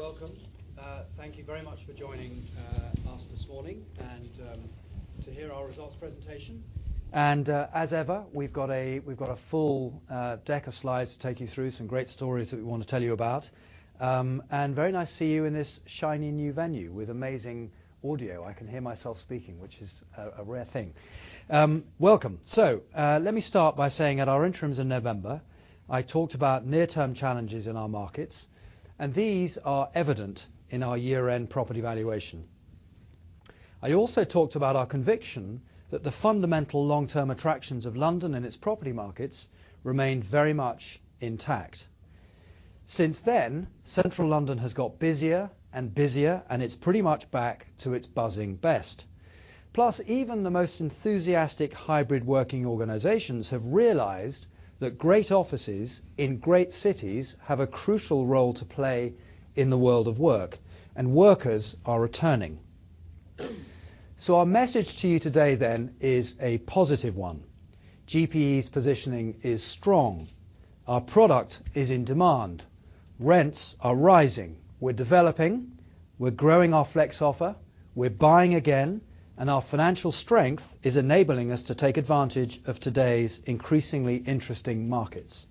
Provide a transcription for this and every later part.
Welcome. Thank you very much for joining us this morning and to hear our results presentation. As ever, we've got a full deck of slides to take you through some great stories that we want to tell you about. Very nice to see you in this shiny new venue with amazing audio. I can hear myself speaking, which is a rare thing. Welcome. Let me start by saying at our interims in November, I talked about near-term challenges in our markets, and these are evident in our year-end property valuation. I also talked about our conviction that the fundamental long-term attractions of London and its property markets remain very much intact. Since then, central London has got busier and busier, and it's pretty much back to its buzzing best. Even the most enthusiastic hybrid working organizations have realized that great offices in great cities have a crucial role to play in the world of work, and workers are returning. Our message to you today then is a positive one. GPE's positioning is strong. Our product is in demand. Rents are rising. We're developing. We're growing our flex offer. We're buying again, and our financial strength is enabling us to take advantage of today's increasingly interesting markets.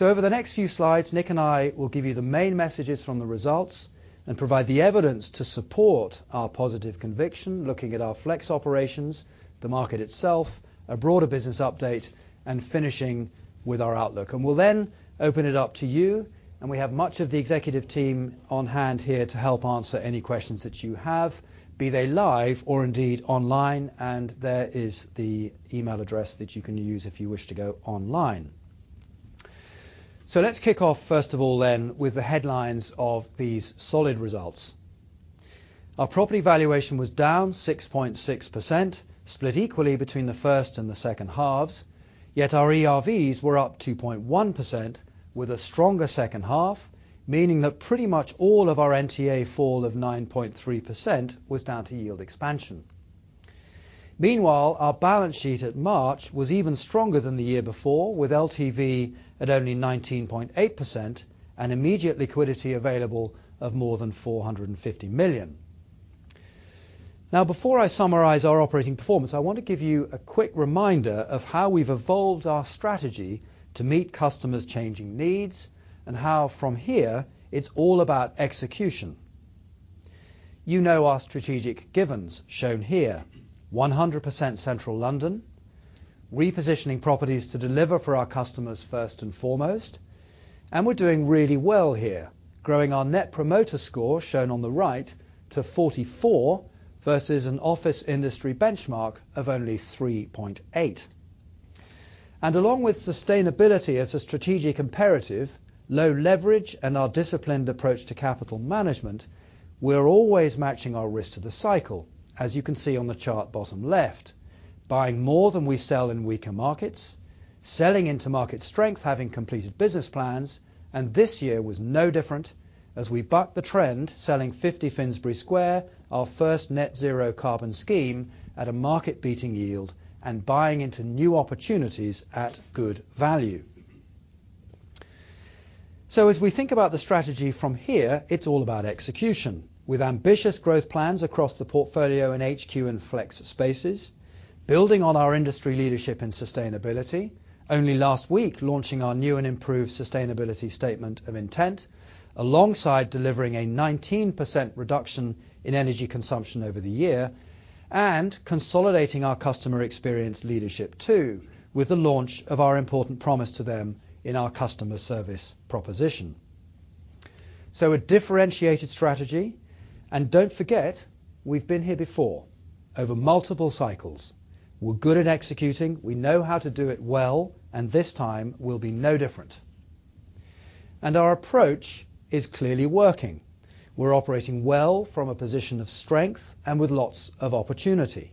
Over the next few slides, Nick and I will give you the main messages from the results and provide the evidence to support our positive conviction, looking at our flex operations, the market itself, a broader business update, and finishing with our outlook. We'll then open it up to you. We have much of the executive team on hand here to help answer any questions that you have, be they live or indeed online. There is the email address that you can use if you wish to go online. Let's kick off first of all then with the headlines of these solid results. Our property valuation was down 6.6%, split equally between the first and the second halves, yet our ERVs were up 2.1% with a stronger second half, meaning that pretty much all of our NTA fall of 9.3% was down to yield expansion. Meanwhile, our balance sheet at March was even stronger than the year before, with LTV at only 19.8% and immediate liquidity available of more than 450 million. Before I summarize our operating performance, I want to give you a quick reminder of how we've evolved our strategy to meet customers' changing needs and how from here it's all about execution. You know our strategic givens shown here. 100% central London, repositioning properties to deliver for our customers first and foremost, and we're doing really well here, growing our Net Promoter Score, shown on the right, to 44 versus an office industry benchmark of only 3.8. Along with sustainability as a strategic imperative, low leverage, and our disciplined approach to capital management, we're always matching our risk to the cycle, as you can see on the chart bottom left. Buying more than we sell in weaker markets, selling into market strength, having completed business plans. This year was no different as we bucked the trend, selling 50 Finsbury Square, our first net zero carbon scheme, at a market-beating yield and buying into new opportunities at good value. As we think about the strategy from here, it's all about execution. With ambitious growth plans across the portfolio in HQ and flex spaces, building on our industry leadership in sustainability, only last week launching our new and improved sustainability statement of intent, alongside delivering a 19% reduction in energy consumption over the year, and consolidating our customer experience leadership too, with the launch of our important promise to them in our customer service proposition. A differentiated strategy. Don't forget, we've been here before, over multiple cycles. We're good at executing. We know how to do it well, and this time will be no different. Our approach is clearly working. We're operating well from a position of strength and with lots of opportunity.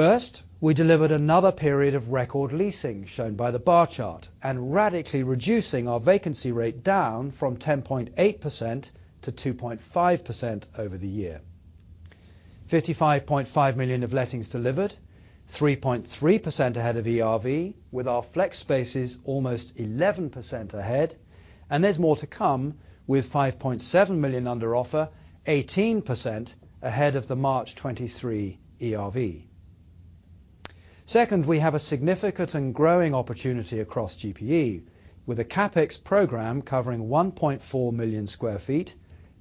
First, we delivered another period of record leasing, shown by the bar chart, and radically reducing our vacancy rate down from 10.8% - 2.5% over the year. 55.5 million of lettings delivered, 3.3% ahead of ERV, with our flex spaces almost 11% ahead. There's more to come with 5.7 million under offer, 18% ahead of the March 2023 ERV. Second, we have a significant and growing opportunity across GPE, with a CapEx program covering 1.4 million sq ft,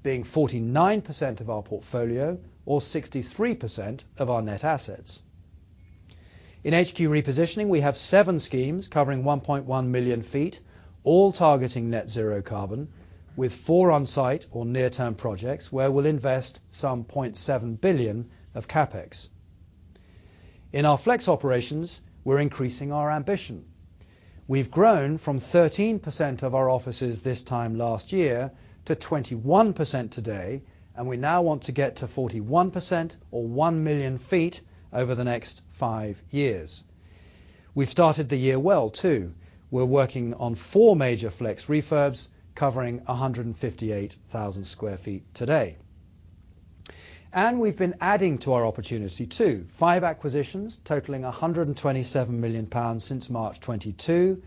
being 49% of our portfolio or 63% of our net assets. In HQ repositioning, we have seven schemes covering 1.1 million feet, all targeting net zero carbon, with four on-site or near-term projects where we'll invest some 0.7 billion of CapEx. In our flex operations, we're increasing our ambition. We've grown from 13% of our offices this time last year to 21% -day, we now want to get to 41% or 1 million feet over the next five years. We've started the year well, too. We're working on four major flex refurbs covering 158,000 sq ft today. We've been adding to our opportunity too. Five acquisitions totaling 127 million pounds since March 2022.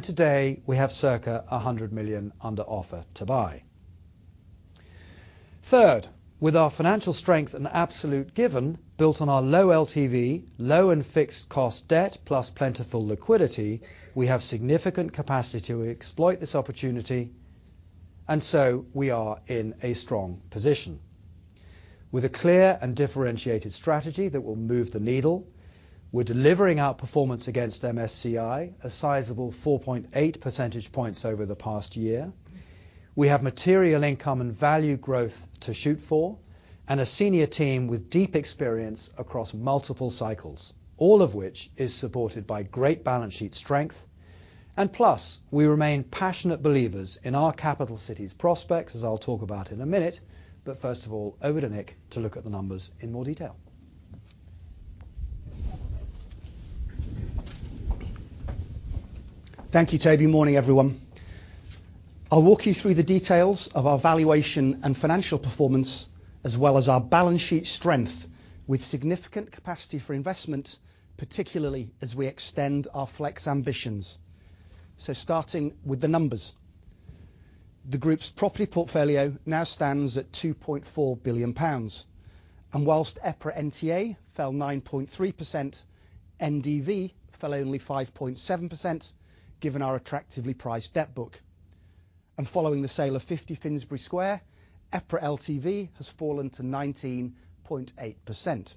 Today, we have circa 100 million under offer to buy. Third, with our financial strength an absolute given, built on our low LTV, low and fixed cost debt, plus plentiful liquidity, we have significant capacity to exploit this opportunity, we are in a strong position. With a clear and differentiated strategy that will move the needle, we're delivering our performance against MSCI, a sizable 4.8 percentage points over the past year. We have material income and value growth to shoot for, and a senior team with deep experience across multiple cycles, all of which is supported by great balance sheet strength. Plus, we remain passionate believers in our capital city's prospects, as I'll talk about in a minute. First of all, over to Nick to look at the numbers in more detail. Thank you, Toby. Morning, everyone. I'll walk you through the details of our valuation and financial performance, as well as our balance sheet strength, with significant capacity for investment, particularly as we extend our flex ambitions. Starting with the numbers. The group's property portfolio now stands at 2.4 billion pounds. Whilst EPRA NTA fell 9.3%, NDV fell only 5.7%, given our attractively priced debt book. Following the sale of 50 Finsbury Square, EPRA LTV has fallen to 19.8%.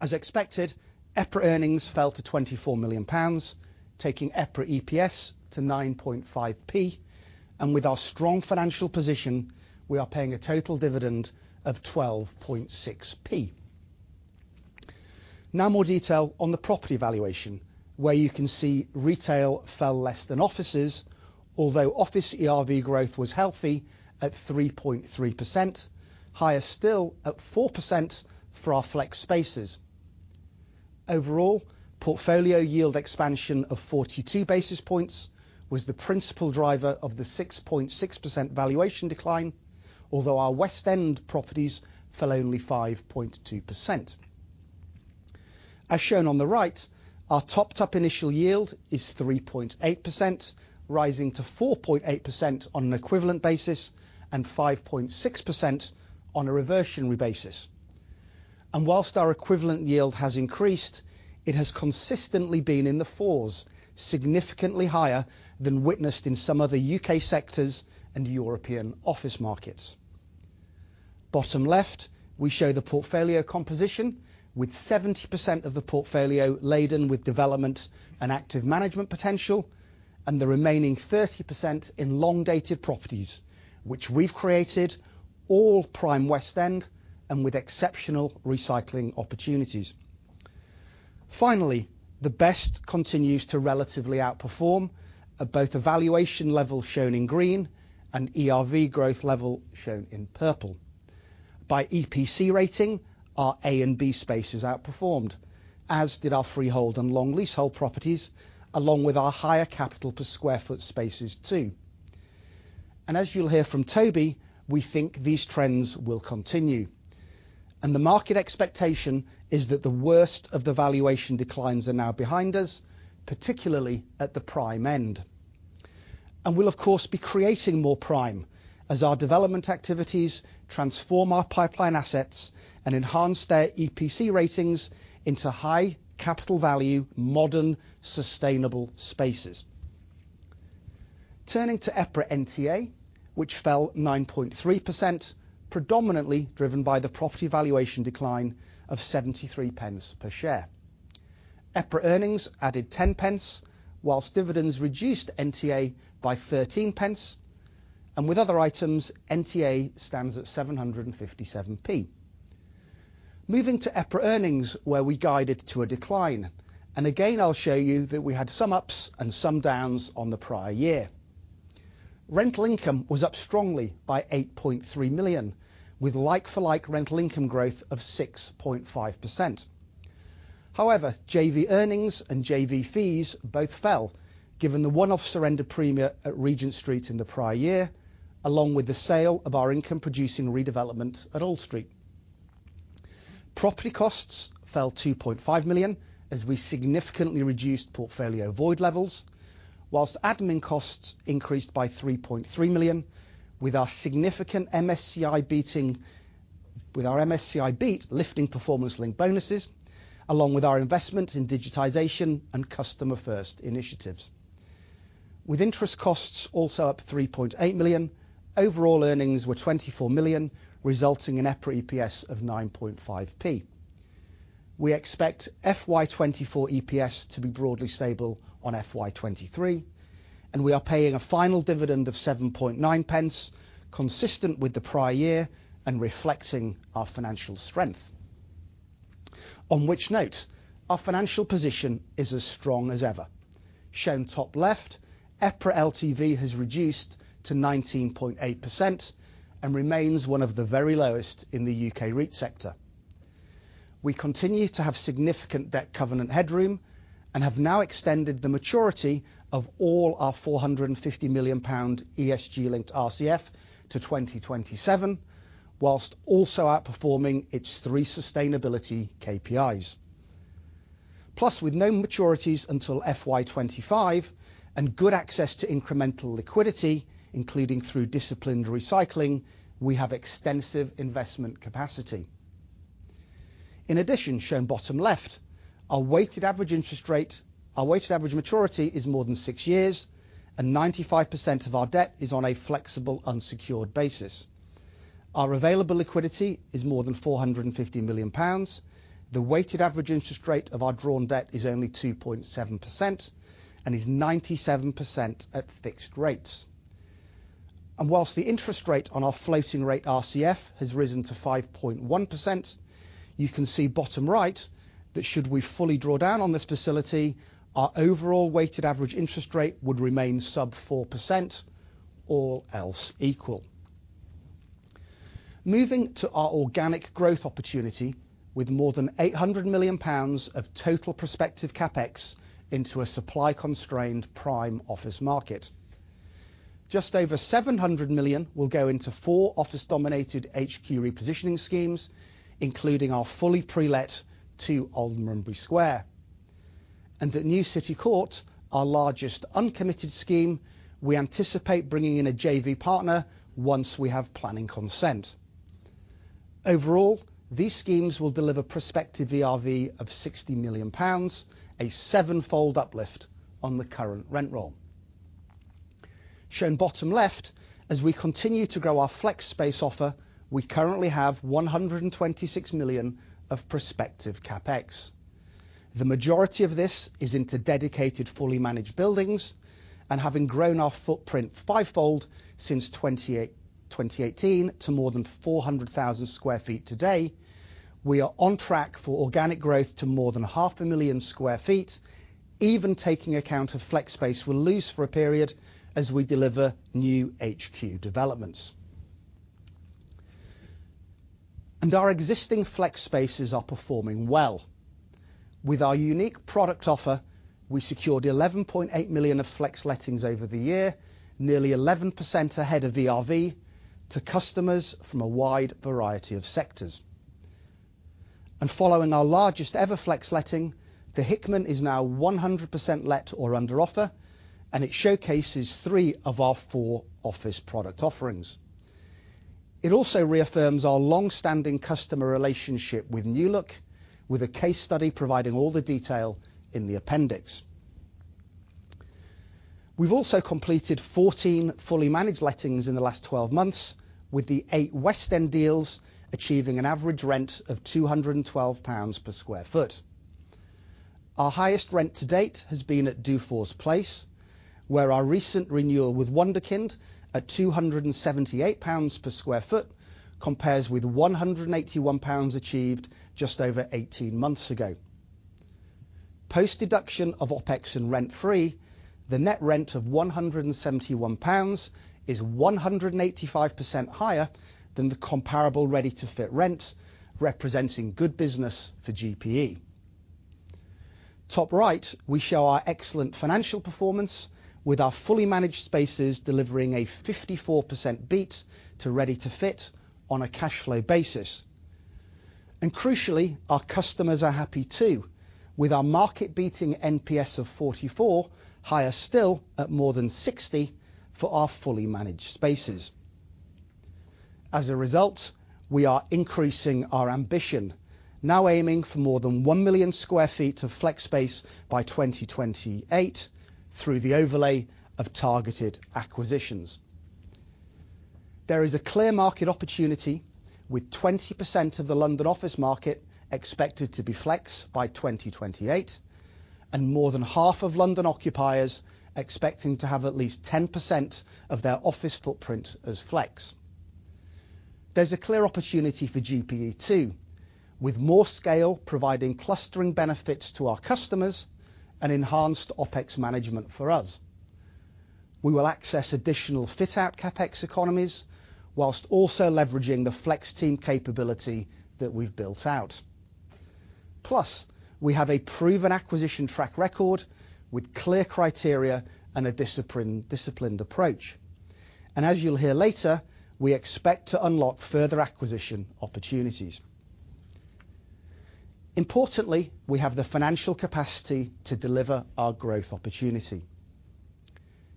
As expected, EPRA earnings fell to 24 million pounds, taking EPRA EPS to 9.5p. With our strong financial position, we are paying a total dividend of 12.6p. More detail on the property valuation, where you can see retail fell less than offices. Office ERV growth was healthy at 3.3%. Higher still at 4% for our flex spaces. Overall, portfolio yield expansion of 42 basis points was the principal driver of the 6.6% valuation decline. Our West End properties fell only 5.2%. As shown on the right, our topped-up initial yield is 3.8%, rising to 4.8% on an equivalent basis and 5.6% on a reversionary basis. Whilst our equivalent yield has increased, it has consistently been in the 4s, significantly higher than witnessed in some other UK sectors and European office markets. Bottom left, we show the portfolio composition with 70% of the portfolio laden with development and active management potential, and the remaining 30% in long-dated properties, which we've created all prime West End and with exceptional recycling opportunities. Finally, the best continues to relatively outperform at both the valuation level shown in green and ERV growth level shown in purple. By EPC rating, our A and B spaces outperformed, as did our freehold and long leasehold properties, along with our higher capital per sq ft spaces too. As you'll hear from Toby, we think these trends will continue. The market expectation is that the worst of the valuation declines are now behind us, particularly at the prime end. We'll of course, be creating more prime as our development activities transform our pipeline assets and enhance their EPC ratings into high capital value, modern, sustainable spaces. Turning to EPRA NTA, which fell 9.3%, predominantly driven by the property valuation decline of 0.73 per share. EPRA earnings added 0.10, whilst dividends reduced NTA by 0.13. With other items, NTA stands at 7.57. Moving to EPRA earnings, where we guided to a decline. Again, I'll show you that we had some ups and some downs on the prior year. Rental income was up strongly by 8.3 million, with like-for-like rental income growth of 6.5%. However, JV earnings and JV fees both fell, given the one-off surrender premium at Regent Street in the prior year, along with the sale of our income-producing redevelopment at Old Street. Property costs fell 2.5 million as we significantly reduced portfolio void levels, whilst admin costs increased by 3.3 million with our MSCI beat lifting performance-linked bonuses, along with our investment in digitization and customer-first initiatives. Interest costs also up 3.8 million, overall earnings were 24 million, resulting in EPRA EPS of 9.5p. We expect FY24 EPS to be broadly stable on FY23. We are paying a final dividend of 7.9 pence, consistent with the prior year and reflecting our financial strength. Our financial position is as strong as ever. Shown top left, EPRA LTV has reduced to 19.8% and remains one of the very lowest in the UK REIT sector. We continue to have significant debt covenant headroom and have now extended the maturity of all our 450 million pound ESG-linked RCF to 2027, whilst also outperforming its 3 sustainability KPIs. With no maturities until FY25 and good access to incremental liquidity, including through disciplined recycling, we have extensive investment capacity. Shown bottom left, our weighted average maturity is more than 6 years and 95% of our debt is on a flexible unsecured basis. Our available liquidity is more than 450 million pounds. The weighted average interest rate of our drawn debt is only 2.7% and is 97% at fixed rates. Whilst the interest rate on our floating rate RCF has risen to 5.1%, you can see bottom right that should we fully draw down on this facility, our overall weighted average interest rate would remain sub 4% all else equal. Moving to our organic growth opportunity with more than 800 million pounds of total prospective CapEx into a supply constrained prime office market. Just over 700 million will go into four office dominated HQ repositioning schemes, including our fully pre-let 2 Aldermanbury Square. At New City Court, our largest uncommitted scheme, we anticipate bringing in a JV partner once we have planning consent. Overall, these schemes will deliver prospective ERV of 60 million pounds, a seven-fold uplift on the current rent roll. Shown bottom left, as we continue to grow our flex space offer, we currently have 126 million of prospective CapEx. The majority of this is into dedicated, fully managed buildings and having grown our footprint five-fold since 2018 to more than 400,000 sq ft today, we are on track for organic growth to more than 500,000 sq ft, even taking account of flex space we'll lease for a period as we deliver new HQ developments. Our existing flex spaces are performing well. With our unique product offer, we secured 11.8 million of flex lettings over the year, nearly 11% ahead of VRV to customers from a wide variety of sectors. Following our largest ever flex letting, The Hickman is now 100% let or under offer, and it showcases three of our four office product offerings. It also reaffirms our long-standing customer relationship with New Look, with a case study providing all the detail in the appendix. We've also completed 14 fully managed lettings in the last 12 months, with the 8 West End deals achieving an average rent of 212 pounds per square foot. Our highest rent to date has been at Dufour's Place, where our recent renewal with Wunderkind at 278 pounds per square foot compares with 181 pounds achieved just over 18 months ago. Post deduction of OpEx and rent-free, the net rent of 171 pounds is 185% higher than the comparable ready-to-fit rent, representing good business for GPE. Top right, we show our excellent financial performance with our fully managed spaces delivering a 54% beat to ready to fit on a cash flow basis. Crucially, our customers are happy too, with our market beating NPS of 44, higher still at more than 60 for our fully managed spaces. As a result, we are increasing our ambition, now aiming for more than 1 million square feet of flex space by 2028 through the overlay of targeted acquisitions. There is a clear market opportunity with 20% of the London office market expected to be flex by 2028, and more than half of London occupiers expecting to have at least 10% of their office footprint as flex. There's a clear opportunity for GPE too, with more scale providing clustering benefits to our customers and enhanced OpEx management for us. We will access additional fit-out CapEx economies whilst also leveraging the flex team capability that we've built out. Plus, we have a proven acquisition track record with clear criteria and a disciplined approach. As you'll hear later, we expect to unlock further acquisition opportunities. Importantly, we have the financial capacity to deliver our growth opportunity.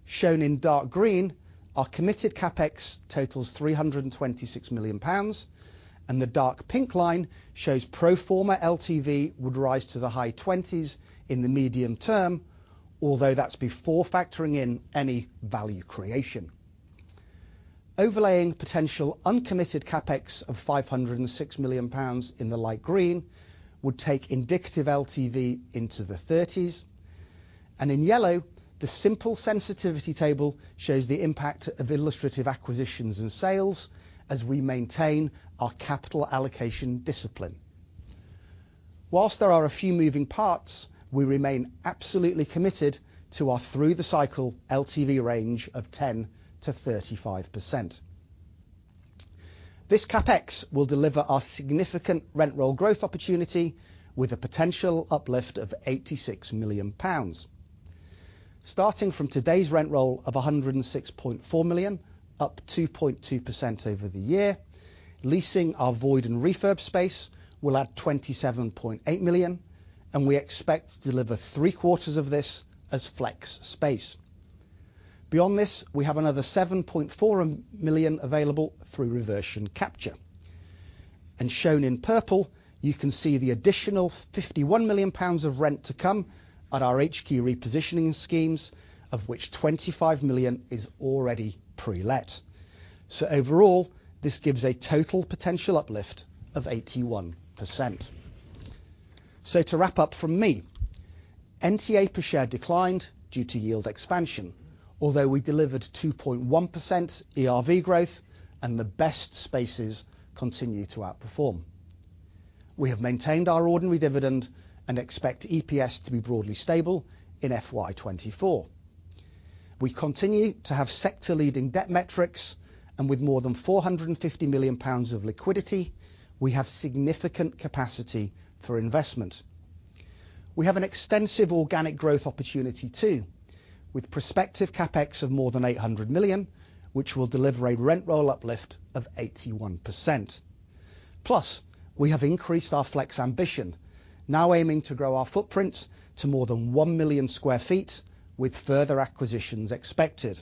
Shown in dark green, our committed CapEx totals 326 million pounds, and the dark pink line shows pro forma LTV would rise to the high twenties in the medium term, although that's before factoring in any value creation. Overlaying potential uncommitted CapEx of 506 million pounds in the light green would take indicative LTV into the thirties. In yellow, the simple sensitivity table shows the impact of illustrative acquisitions and sales as we maintain our capital allocation discipline. While there are a few moving parts, we remain absolutely committed to our through the cycle LTV range of 10%-35%. This CapEx will deliver our significant rent roll growth opportunity with a potential uplift of 86 million pounds. Starting from today's rent roll of 106.4 million, up 2.2% over the year, leasing our void and refurb space will add 27.8 million. We expect to deliver three quarters of this as flex space. Beyond this, we have another 7.4 million available through reversion capture. Shown in purple, you can see the additional 51 million pounds of rent to come at our HQ repositioning schemes, of which 25 million is already pre-let. Overall, this gives a total potential uplift of 81%. To wrap up from me, NTA per share declined due to yield expansion. Although we delivered 2.1% ERV growth and the best spaces continue to outperform. We have maintained our ordinary dividend and expect EPS to be broadly stable in FY24. We continue to have sector-leading debt metrics, and with more than 450 million pounds of liquidity, we have significant capacity for investment. We have an extensive organic growth opportunity too, with prospective CapEx of more than 800 million, which will deliver a rent roll uplift of 81%. Plus, we have increased our flex ambition, now aiming to grow our footprint to more than 1 million sq ft with further acquisitions expected.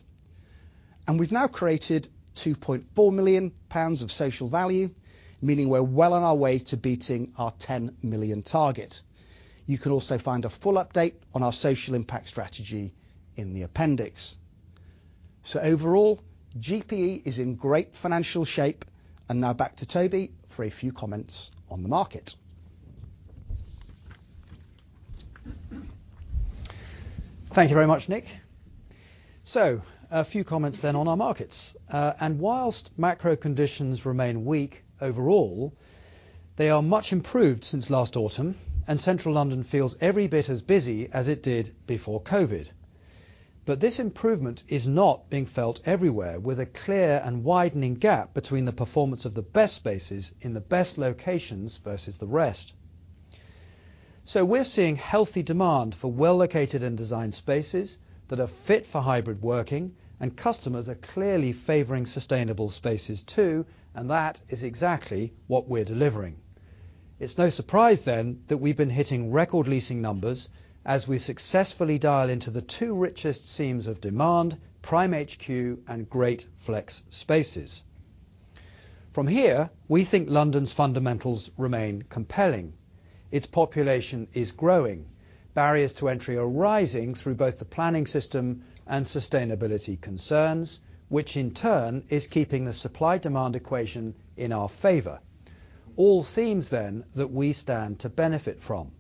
We've now created 2.4 million pounds of social value, meaning we're well on our way to beating our 10 million target. You can also find a full update on our social impact strategy in the appendix. Overall, GPE is in great financial shape. Now back to Toby for a few comments on the market. Thank you very much, Nick. A few comments then on our markets. Whilst macro conditions remain weak overall, they are much improved since last autumn, and Central London feels every bit as busy as it did before COVID. This improvement is not being felt everywhere with a clear and widening gap between the performance of the best spaces in the best locations versus the rest. We're seeing healthy demand for well-located and designed spaces that are fit for hybrid working, and customers are clearly favoring sustainable spaces too, and that is exactly what we're delivering. It's no surprise then that we've been hitting record leasing numbers as we successfully dial into the two richest seams of demand, Prime HQ and great flex spaces. From here, we think London's fundamentals remain compelling. Its population is growing. Barriers to entry are rising through both the planning system and sustainability concerns, which in turn is keeping the supply-demand equation in our favor. All themes then that we stand to benefit from.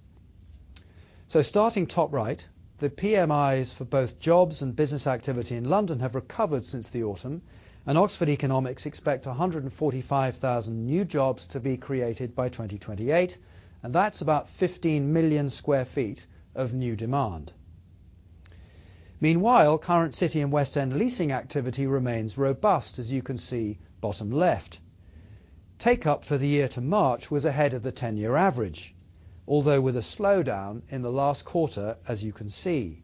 Starting top right, the PMIs for both jobs and business activity in London have recovered since the autumn, Oxford Economics expect 145,000 new jobs to be created by 2028, That's about 15 million sq ft of new demand. Meanwhile, current City and West End leasing activity remains robust, as you can see, bottom left. Take up for the year to March was ahead of the 10-year average, although with a slowdown in the last quarter, as you can see.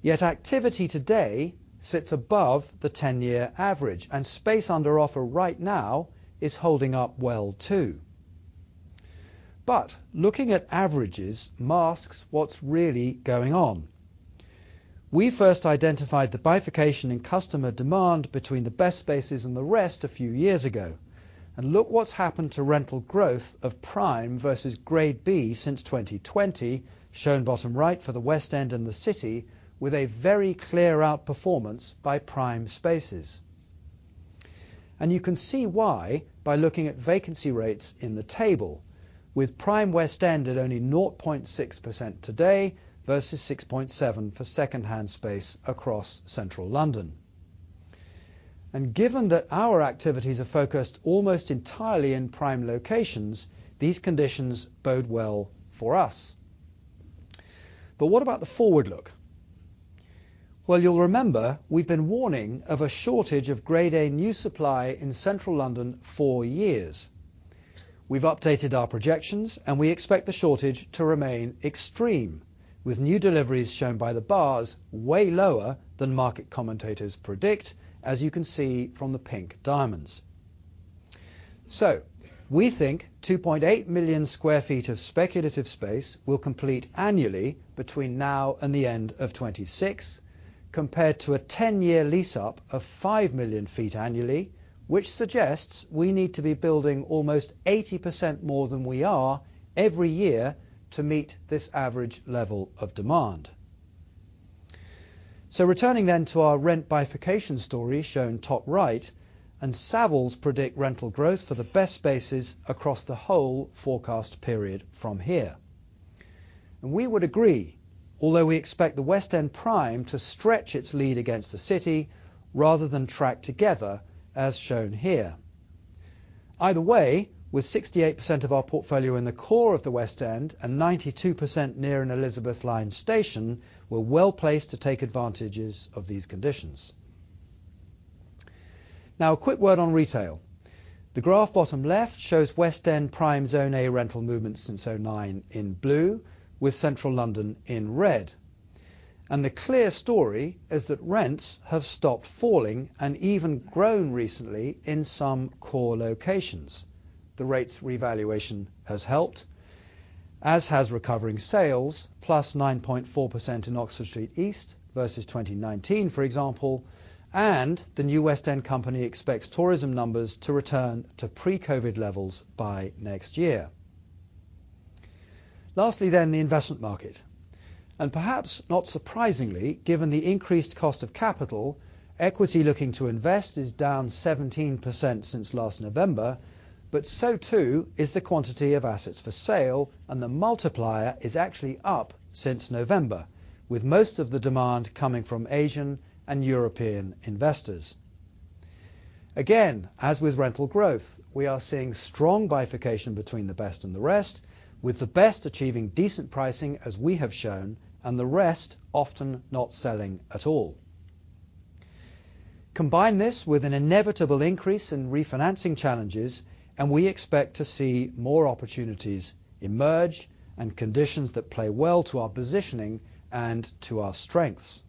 Yet activity today sits above the 10-year average, Space under offer right now is holding up well too. Looking at averages masks what's really going on. We first identified the bifurcation in customer demand between the best spaces and the rest a few years ago. Look what's happened to rental growth of Prime versus Grade B since 2020, shown bottom right for the West End and the City, with a very clear outperformance by Prime spaces. You can see why by looking at vacancy rates in the table, with Prime West End at only 0.6% -day versus 6.7% for second-hand space across central London. Given that our activities are focused almost entirely in prime locations, these conditions bode well for us. What about the forward look? Well, you'll remember we've been warning of a shortage of Grade A new supply in central London for years. We've updated our projections, and we expect the shortage to remain extreme, with new deliveries shown by the bars way lower than market commentators predict, as you can see from the pink diamonds. We think 2.8 million sq ft of speculative space will complete annually between now and the end of 2026, compared to a 10-year lease-up of 5 million sq ft annually, which suggests we need to be building almost 80% more than we are every year to meet this average level of demand. Returning to our rent bifurcation story shown top right, and Savills predict rental growth for the best spaces across the whole forecast period from here. We would agree, although we expect the West End Prime to stretch its lead against the City rather than track together, as shown here. Either way, with 68% of our portfolio in the core of the West End and 92% near an Elizabeth line station, we're well-placed to take advantages of these conditions. Now, a quick word on retail. The graph bottom left shows West End Prime Zone A rental movements since 2009 in blue, with central London in red. The clear story is that rents have stopped falling and even grown recently in some core locations. The rates revaluation has helped, as has recovering sales, plus 9.4% in Oxford Street East versus 2019, for example, and the New West End Company expects tourism numbers to return to pre-COVID levels by next year. Lastly, the investment market. Perhaps not surprisingly, given the increased cost of capital, equity looking to invest is down 17% since last November. So too is the quantity of assets for sale. The multiplier is actually up since November, with most of the demand coming from Asian and European investors. As with rental growth, we are seeing strong bifurcation between the best and the rest, with the best achieving decent pricing, as we have shown, and the rest often not selling at all. Combine this with an inevitable increase in refinancing challenges, we expect to see more opportunities emerge and conditions that play well to our positioning and to our strengths.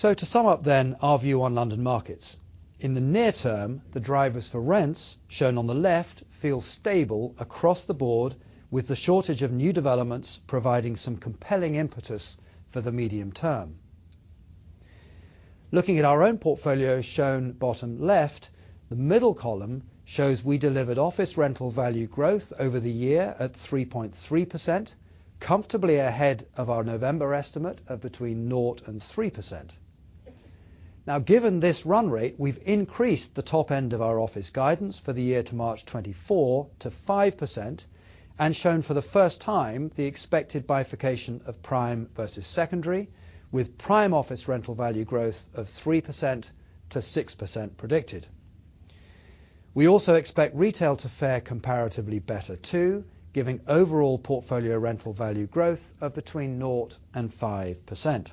To sum up, our view on London markets. In the near term, the drivers for rents, shown on the left, feel stable across the board, with the shortage of new developments providing some compelling impetus for the medium term. Looking at our own portfolio, shown bottom left, the middle column shows we delivered office rental value growth over the year at 3.3%, comfortably ahead of our November estimate of between 0% and 3%. Given this run rate, we've increased the top end of our office guidance for the year to March 2024 to 5% and shown for the first time the expected bifurcation of prime versus secondary, with prime office rental value growth of 3%-6% predicted. We also expect retail to fare comparatively better too, giving overall portfolio rental value growth of between 0% and 5%.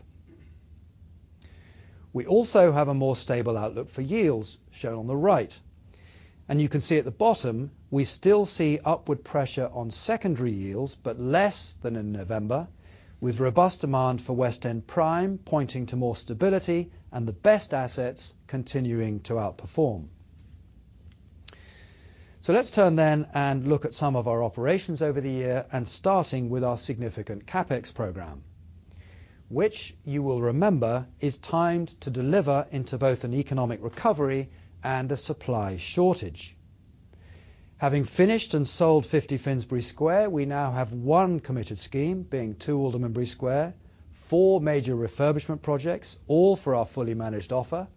We also have a more stable outlook for yields, shown on the right. You can see at the bottom, we still see upward pressure on secondary yields, but less than in November, with robust demand for West End prime pointing to more stability and the best assets continuing to outperform. Let's turn then and look at some of our operations over the year and starting with our significant CapEx program, which you will remember is timed to deliver into both an economic recovery and a supply shortage. Having finished and sold 50 Finsbury Square, we now have one committed scheme, being two Aldermanbury Square, four major refurbishment projects, all for our fully managed offer,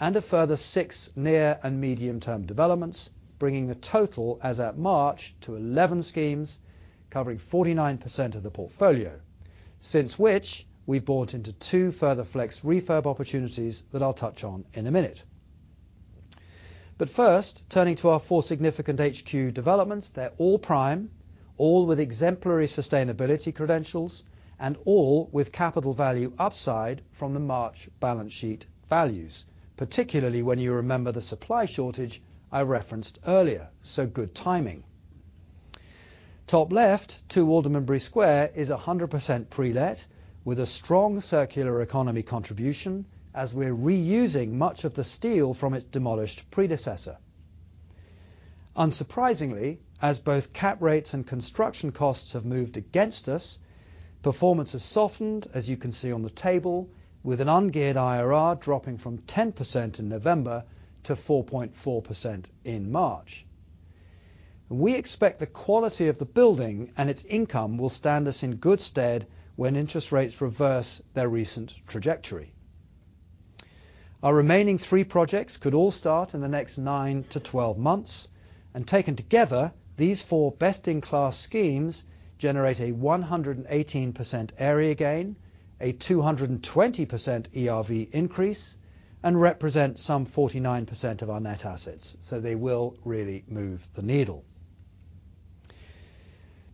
and a further six near and medium-term developments, bringing the total as at March to 11 schemes covering 49% of the portfolio. Since which, we've bought into two further flex refurb opportunities that I'll touch on in a minute. First, turning to our four significant HQ developments, they're all prime, all with exemplary sustainability credentials, and all with capital value upside from the March balance sheet values, particularly when you remember the supply shortage I referenced earlier. Good timing. Top left, two Aldermanbury Square is 100% pre-let with a strong circular economy contribution as we're reusing much of the steel from its demolished predecessor. Unsurprisingly, as both cap rates and construction costs have moved against us, performance has softened, as you can see on the table, with an ungeared IRR dropping from 10% in November to 4.4% in March. We expect the quality of the building and its income will stand us in good stead when interest rates reverse their recent trajectory. Our remaining three projects could all start in the next 9-12 months. Taken together, these 4 best-in-class schemes generate a 118% area gain, a 220% ERV increase, and represent some 49% of our net assets. They will really move the needle.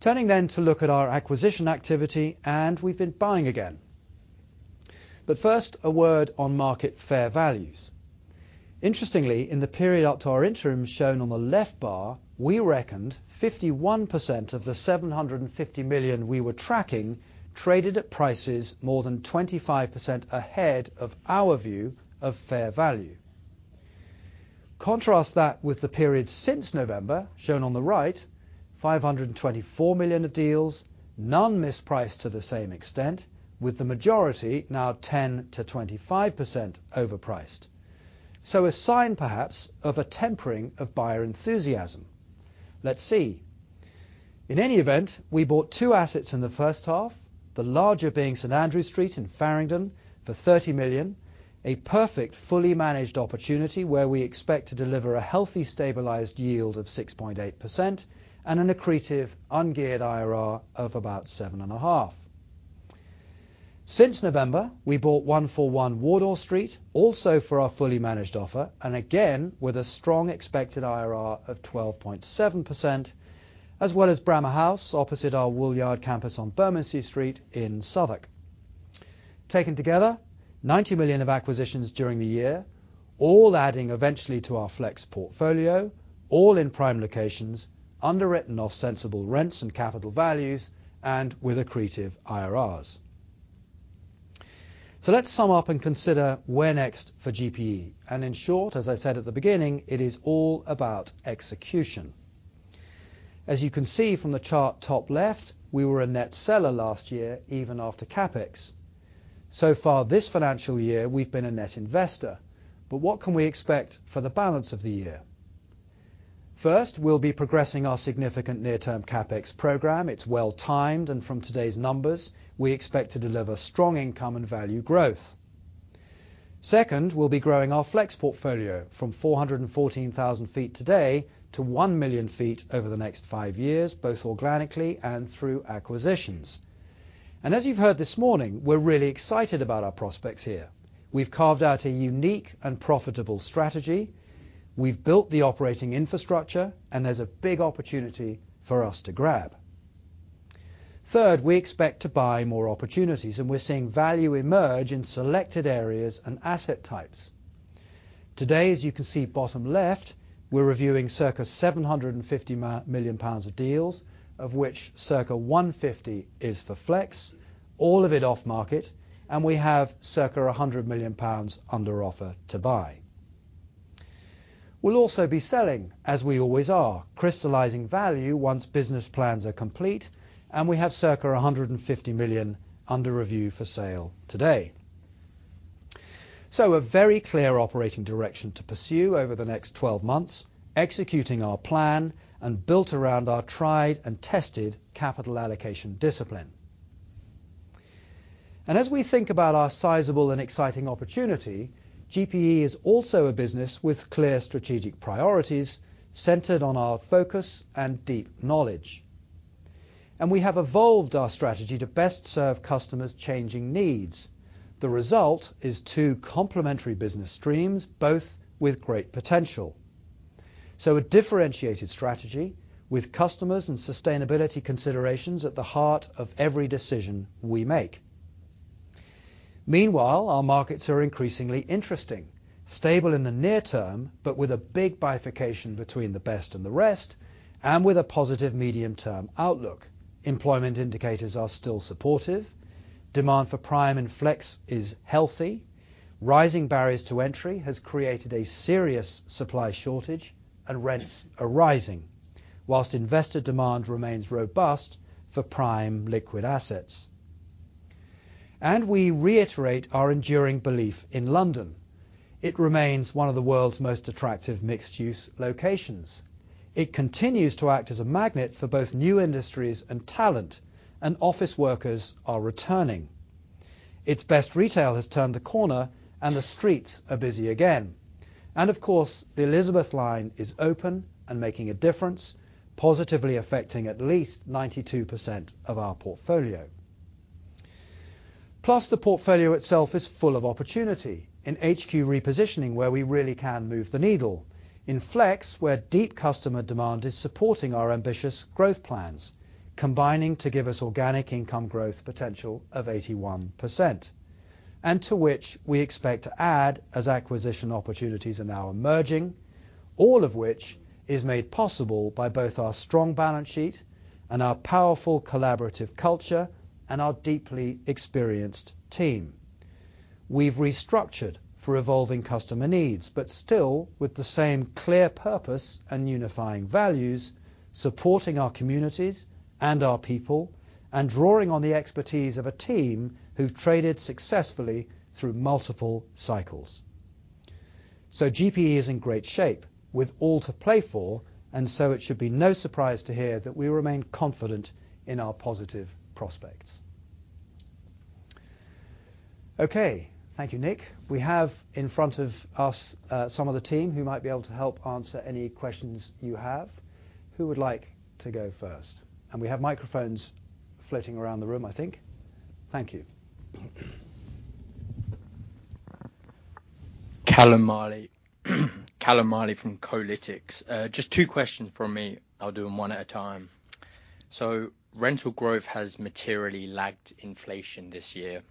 Turning to look at our acquisition activity, we've been buying again. First, a word on market fair values. Interestingly, in the period up to our interim shown on the left bar, we reckoned 51% of the 750 million we were tracking traded at prices more than 25% ahead of our view of fair value. Contrast that with the period since November, shown on the right, 524 million of deals, none mispriced to the same extent, with the majority now 10%-25% overpriced. A sign perhaps of a tempering of buyer enthusiasm. Let's see. In any event, we bought two assets in the first half, the larger being St. Andrew Street in Farringdon for 30 million, a perfect fully managed opportunity where we expect to deliver a healthy stabilized yield of 6.8% and an accretive ungeared IRR of about 7.5%. Since November, we bought 141 Wardour Street, also for our fully managed offer, and again, with a strong expected IRR of 12.7%, as well as Bramah House opposite our Woolyard campus on Bermondsey Street in Southwark. Taken together, 90 million of acquisitions during the year, all adding eventually to our flex portfolio, all in prime locations, underwritten off sensible rents and capital values, and with accretive IRRs. Let's sum up and consider where next for GPE. In short, as I said at the beginning, it is all about execution. As you can see from the chart top left, we were a net seller last year, even after CapEx. Far this financial year, we've been a net investor. What can we expect for the balance of the year? First, we'll be progressing our significant near-term CapEx program. It's well timed, and from today's numbers, we expect to deliver strong income and value growth. Second, we'll be growing our flex portfolio from 414,000 feet today to 1 million feet over the next five years, both organically and through acquisitions. As you've heard this morning, we're really excited about our prospects here. We've carved out a unique and profitable strategy. We've built the operating infrastructure, and there's a big opportunity for us to grab. Third, we expect to buy more opportunities. We're seeing value emerge in selected areas and asset types. Today, as you can see, bottom left, we're reviewing circa 750 million pounds of deals, of which circa 150 million is for flex, all of it off-market. We have circa 100 million pounds under offer to buy. We'll also be selling, as we always are, crystallizing value once business plans are complete. We have circa 150 million under review for sale today. A very clear operating direction to pursue over the next 12 months, executing our plan and built around our tried and tested capital allocation discipline. As we think about our sizable and exciting opportunity, GPE is also a business with clear strategic priorities centered on our focus and deep knowledge. We have evolved our strategy to best serve customers' changing needs. The result is two complementary business streams, both with great potential. A differentiated strategy with customers and sustainability considerations at the heart of every decision we make. Meanwhile, our markets are increasingly interesting, stable in the near term, but with a big bifurcation between the best and the rest, and with a positive medium-term outlook. Employment indicators are still supportive. Demand for prime and flex is healthy. Rising barriers to entry has created a serious supply shortage and rents are rising. Whilst investor demand remains robust for prime liquid assets. We reiterate our enduring belief in London. It remains one of the world's most attractive mixed-use locations. It continues to act as a magnet for both new industries and talent, and office workers are returning. Its best retail has turned the corner and the streets are busy again. Of course, the Elizabeth line is open and making a difference, positively affecting at least 92% of our portfolio. Plus, the portfolio itself is full of opportunity in HQ repositioning where we really can move the needle. In flex, where deep customer demand is supporting our ambitious growth plans, combining to give us organic income growth potential of 81%, and to which we expect to add as acquisition opportunities are now emerging, all of which is made possible by both our strong balance sheet and our powerful collaborative culture and our deeply experienced team. We've restructured for evolving customer needs, but still with the same clear purpose and unifying values, supporting our communities and our people, and drawing on the expertise of a team who've traded successfully through multiple cycles. GPE is in great shape with all to play for, and so it should be no surprise to hear that we remain confident in our positive prospects. Okay, thank you, Nick. We have in front of us, some of the team who might be able to help answer any questions you have. Who would like to go first? We have microphones floating around the room, I think. Thank you. Callum Marley from Kolytics. Just two questions from me. I'll do them one at a time. Rental growth has materially lagged inflation this year.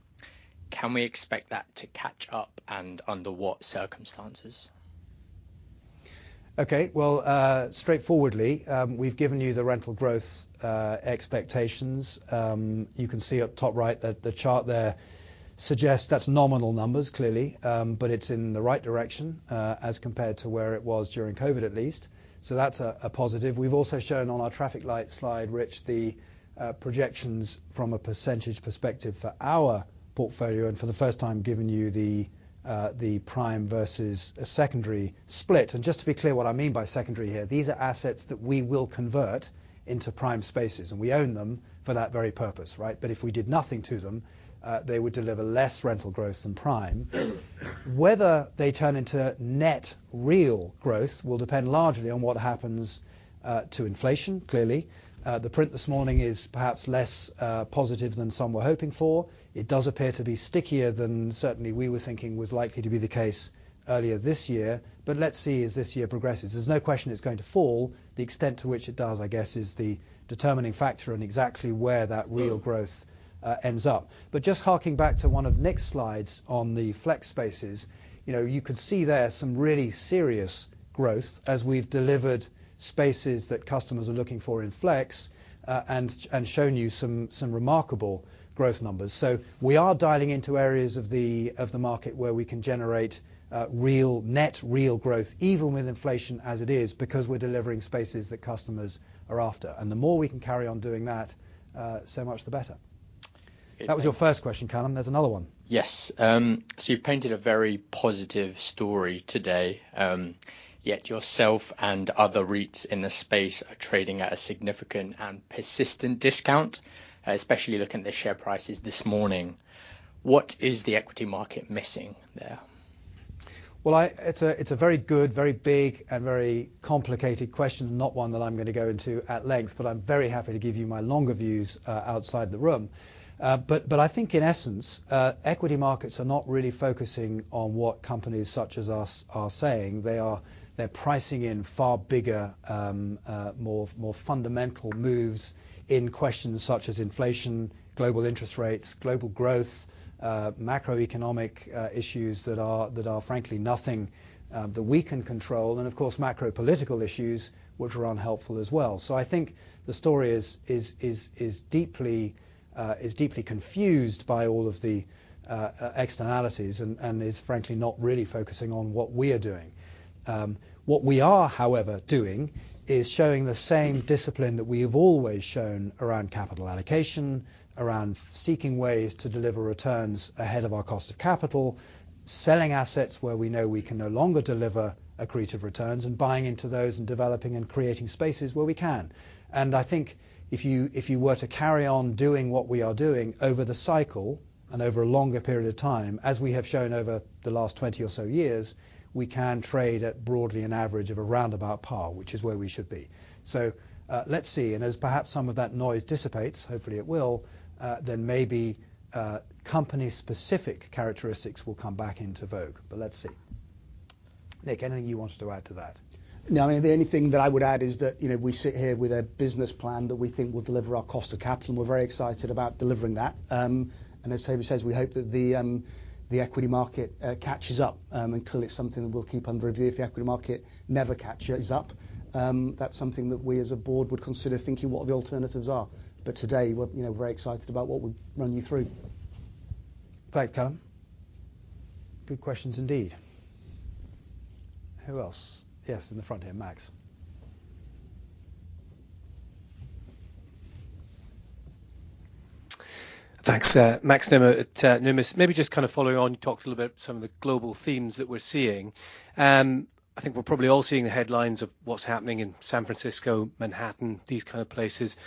Can we expect that to catch up and under what circumstances? Well, straightforwardly, we've given you the rental growth expectations. You can see at the top right that the chart there suggests that's nominal numbers, clearly, but it's in the right direction as compared to where it was during COVID at least. That's a positive. We've also shown on our traffic light slide, which the projections from a % perspective for our portfolio and for the first time given you the prime versus a secondary split. Just to be clear what I mean by secondary here, these are assets that we will convert into prime spaces, and we own them for that very purpose, right? If we did nothing to them, they would deliver less rental growth than prime. Whether they turn into net real growth will depend largely on what happens to inflation, clearly. The print this morning is perhaps less positive than some were hoping for. It does appear to be stickier than certainly we were thinking was likely to be the case earlier this year. Let's see as this year progresses. There's no question it's going to fall. The extent to which it does, I guess, is the determining factor in exactly where that real growth ends up. Just harking back to one of Nick's slides on the flex spaces, you know, you could see there some really serious growth as we've delivered spaces that customers are looking for in flex and shown you some remarkable growth numbers. We are dialing into areas of the market where we can generate real net, real growth even with inflation as it is because we're delivering spaces that customers are after. The more we can carry on doing that, so much the better. It- That was your first question, Calum. There's another one. Yes. You've painted a very positive story today. Yet yourself and other REITs in this space are trading at a significant and persistent discount, especially looking at the share prices this morning. What is the equity market missing there? Well, it's a very good, very big and very complicated question. Not one that I'm gonna go into at length, but I'm very happy to give you my longer views outside the room. I think in essence, equity markets are not really focusing on what companies such as us are saying. They're pricing in far bigger, more fundamental moves in questions such as inflation, global interest rates, global growth, macroeconomic issues that are frankly nothing that we can control, and of course macro political issues which are unhelpful as well. I think the story is deeply confused by all of the externalities and is frankly not really focusing on what we are doing. What we are, however, doing is showing the same discipline that we have always shown around capital allocation, around seeking ways to deliver returns ahead of our cost of capital, selling assets where we know we can no longer deliver accretive returns and buying into those and developing and creating spaces where we can. I think if you, if you were to carry on doing what we are doing over the cycle and over a longer period of time, as we have shown over the last 20 or so years, we can trade at broadly an average of around about par, which is where we should be. Let's see. As perhaps some of that noise dissipates, hopefully it will, then maybe, company specific characteristics will come back into vogue. Let's see. Nick, anything you wanted to add to that? No, I mean, the only thing that I would add is that, you know, we sit here with a business plan that we think will deliver our cost of capital. We're very excited about delivering that. As Toby says, we hope that the equity market catches up. Clearly it's something that we'll keep under review. If the equity market never catches up, that's something that we as a board would consider thinking what the alternatives are. Today, we're, you know, very excited about what we've run you through. Thanks, Calum. Good questions indeed. Who else? Yes, in the front here. Max. Thanks. Max Nimmo at Numis. Maybe just kind of following on, you talked a little bit some of the global themes that we're seeing. I think we're probably all seeing the headlines of what's happening in San Francisco, Manhattan, these kind of places.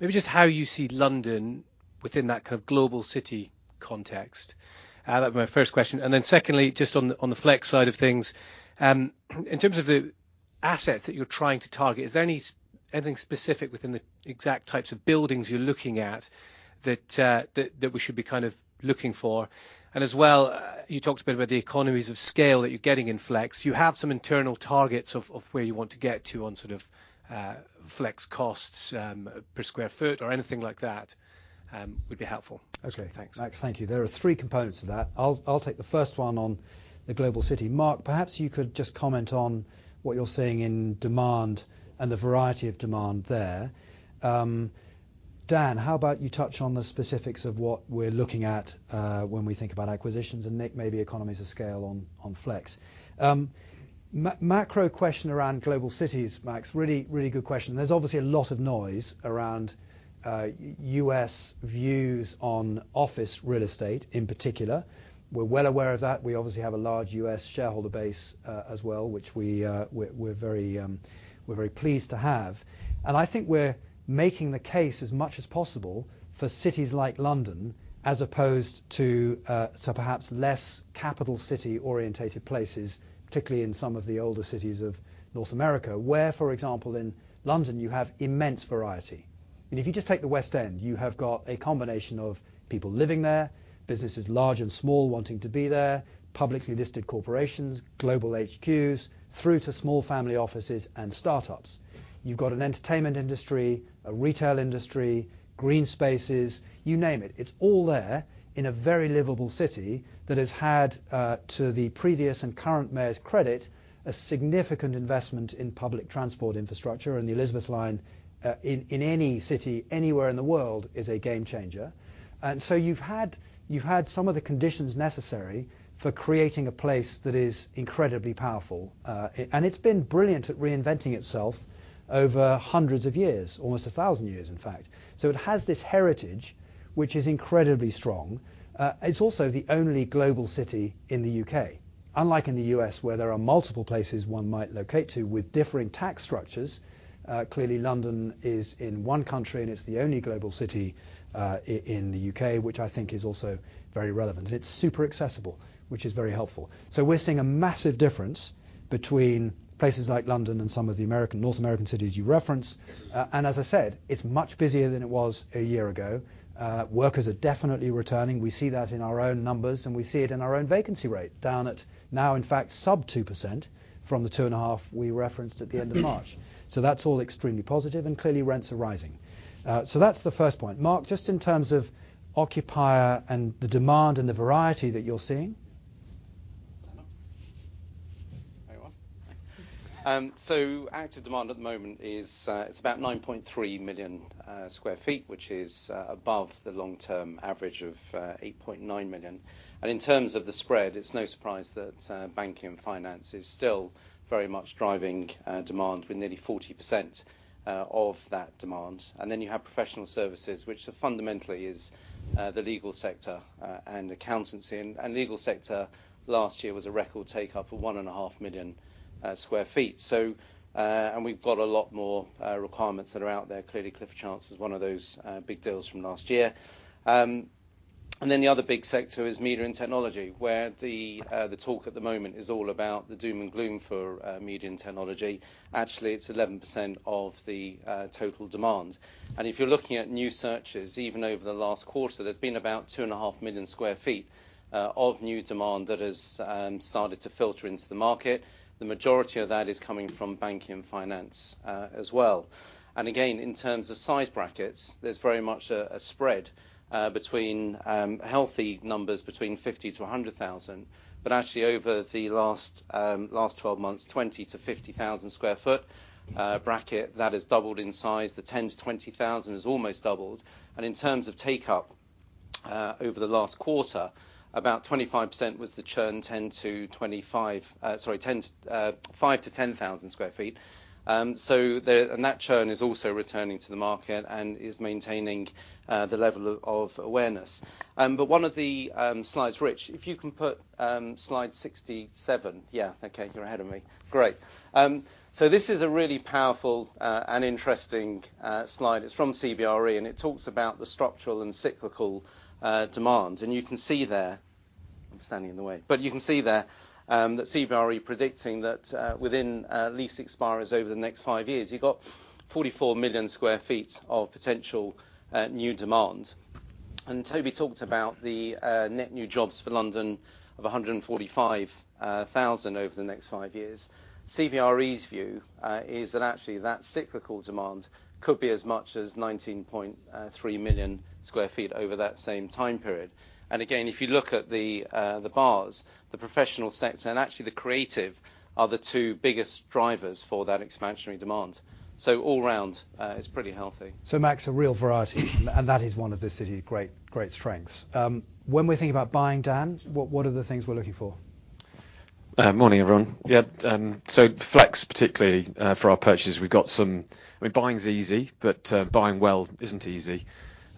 Maybe just how you see London within that kind of global city context. That'd be my first question. Secondly, just on the, on the flex side of things. In terms of the assets that you're trying to target, is there any, anything specific within the exact types of buildings you're looking at that, that we should be kind of looking for? As well, you talked a bit about the economies of scale that you're getting in flex. Do you have some internal targets of where you want to get to on sort of, flex costs per sq ft or anything like that, would be helpful. Okay. Thanks. Max, thank you. There are three components to that. I'll take the first one on the global city. Mark, perhaps you could just comment on what you're seeing in demand and the variety of demand there. Dan, how about you touch on the specifics of what we're looking at when we think about acquisitions, and Nick, maybe economies of scale on flex. Macro question around global cities, Max. Really good question. There's obviously a lot of noise around U.S. views on office real estate in particular. We're well aware of that. We obviously have a large U.S. shareholder base as well, which we're very pleased to have. I think we're making the case as much as possible for cities like London as opposed to, perhaps less capital city-orientated places, particularly in some of the older cities of North America, where, for example, in London, you have immense variety. If you just take the West End, you have got a combination of people living there, businesses large and small wanting to be there, publicly listed corporations, global HQs, through to small family offices and startups. You've got an entertainment industry, a retail industry, green spaces, you name it. It's all there in a very livable city that has had to the previous and current mayor's credit, a significant investment in public transport infrastructure and the Elizabeth line in any city anywhere in the world is a game changer. You've had some of the conditions necessary for creating a place that is incredibly powerful. And it's been brilliant at reinventing itself over hundreds of years, almost a thousand years, in fact. It has this heritage which is incredibly strong. It's also the only global city in the U.K. Unlike in the U.S., where there are multiple places one might locate to with differing tax structures, clearly London is in one country, and it's the only global city in the U.K., which I think is also very relevant. It's super accessible, which is very helpful. We're seeing a massive difference between places like London and some of the American, North American cities you referenced. As I said, it's much busier than it was a year ago. Workers are definitely returning. We see that in our own numbers, we see it in our own vacancy rate, down at now, in fact, sub 2% from the 2.5% we referenced at the end of March. That's all extremely positive and clearly rents are rising. That's the first point. Mark, just in terms of occupier and the demand and the variety that you're seeing. Is that on? There you are. Active demand at the moment is it's about 9.3 million square feet, which is above the long-term average of 8.9 million. In terms of the spread, it's no surprise that banking and finance is still very much driving demand with nearly 40% of that demand. Then you have professional services, which fundamentally is the legal sector and accountancy. Legal sector last year was a record take-up of 1.5 million square feet. We've got a lot more requirements that are out there. Clearly, Clifford Chance is one of those big deals from last year. The other big sector is media and technology, where the talk at the moment is all about the doom and gloom for media and technology. Actually, it's 11% of the total demand. If you're looking at new searches, even over the last quarter, there's been about 2.5 million sq ft of new demand that has started to filter into the market. The majority of that is coming from banking and finance as well. Again, in terms of size brackets, there's very much a spread between healthy numbers between 50,000-100,000. Actually over the last 12 months, 20,000-50,000 sq ft bracket, that has doubled in size. The 10,000-20,000 has almost doubled. In terms of take-up, over the last quarter, about 25% was the churn, 5,000-10,000 sq ft. That churn is also returning to the market and is maintaining the level of awareness. One of the slides, Rich, if you can put slide 67. Yeah, okay, you're ahead of me. Great. This is a really powerful and interesting slide. It's from CBRE, and it talks about the structural and cyclical demand. You can see there. I'm standing in the way. You can see there, that CBRE predicting that within lease expires over the next 5 years, you've got 44 million sq ft of potential new demand. Toby talked about the net new jobs for London of 145,000 over the next five years. CBRE's view is that actually that cyclical demand could be as much as 19.3 million sq ft over that same time period. Again, if you look at the bars, the professional sector and actually the creative are the two biggest drivers for that expansionary demand. All round, it's pretty healthy. Max, a real variety, and that is one of the city's great strengths. When we're thinking about buying, Dan, what are the things we're looking for? Morning, everyone. Yeah, flex, particularly, for our purchases, we've got some... I mean, buying is easy, but buying well isn't easy.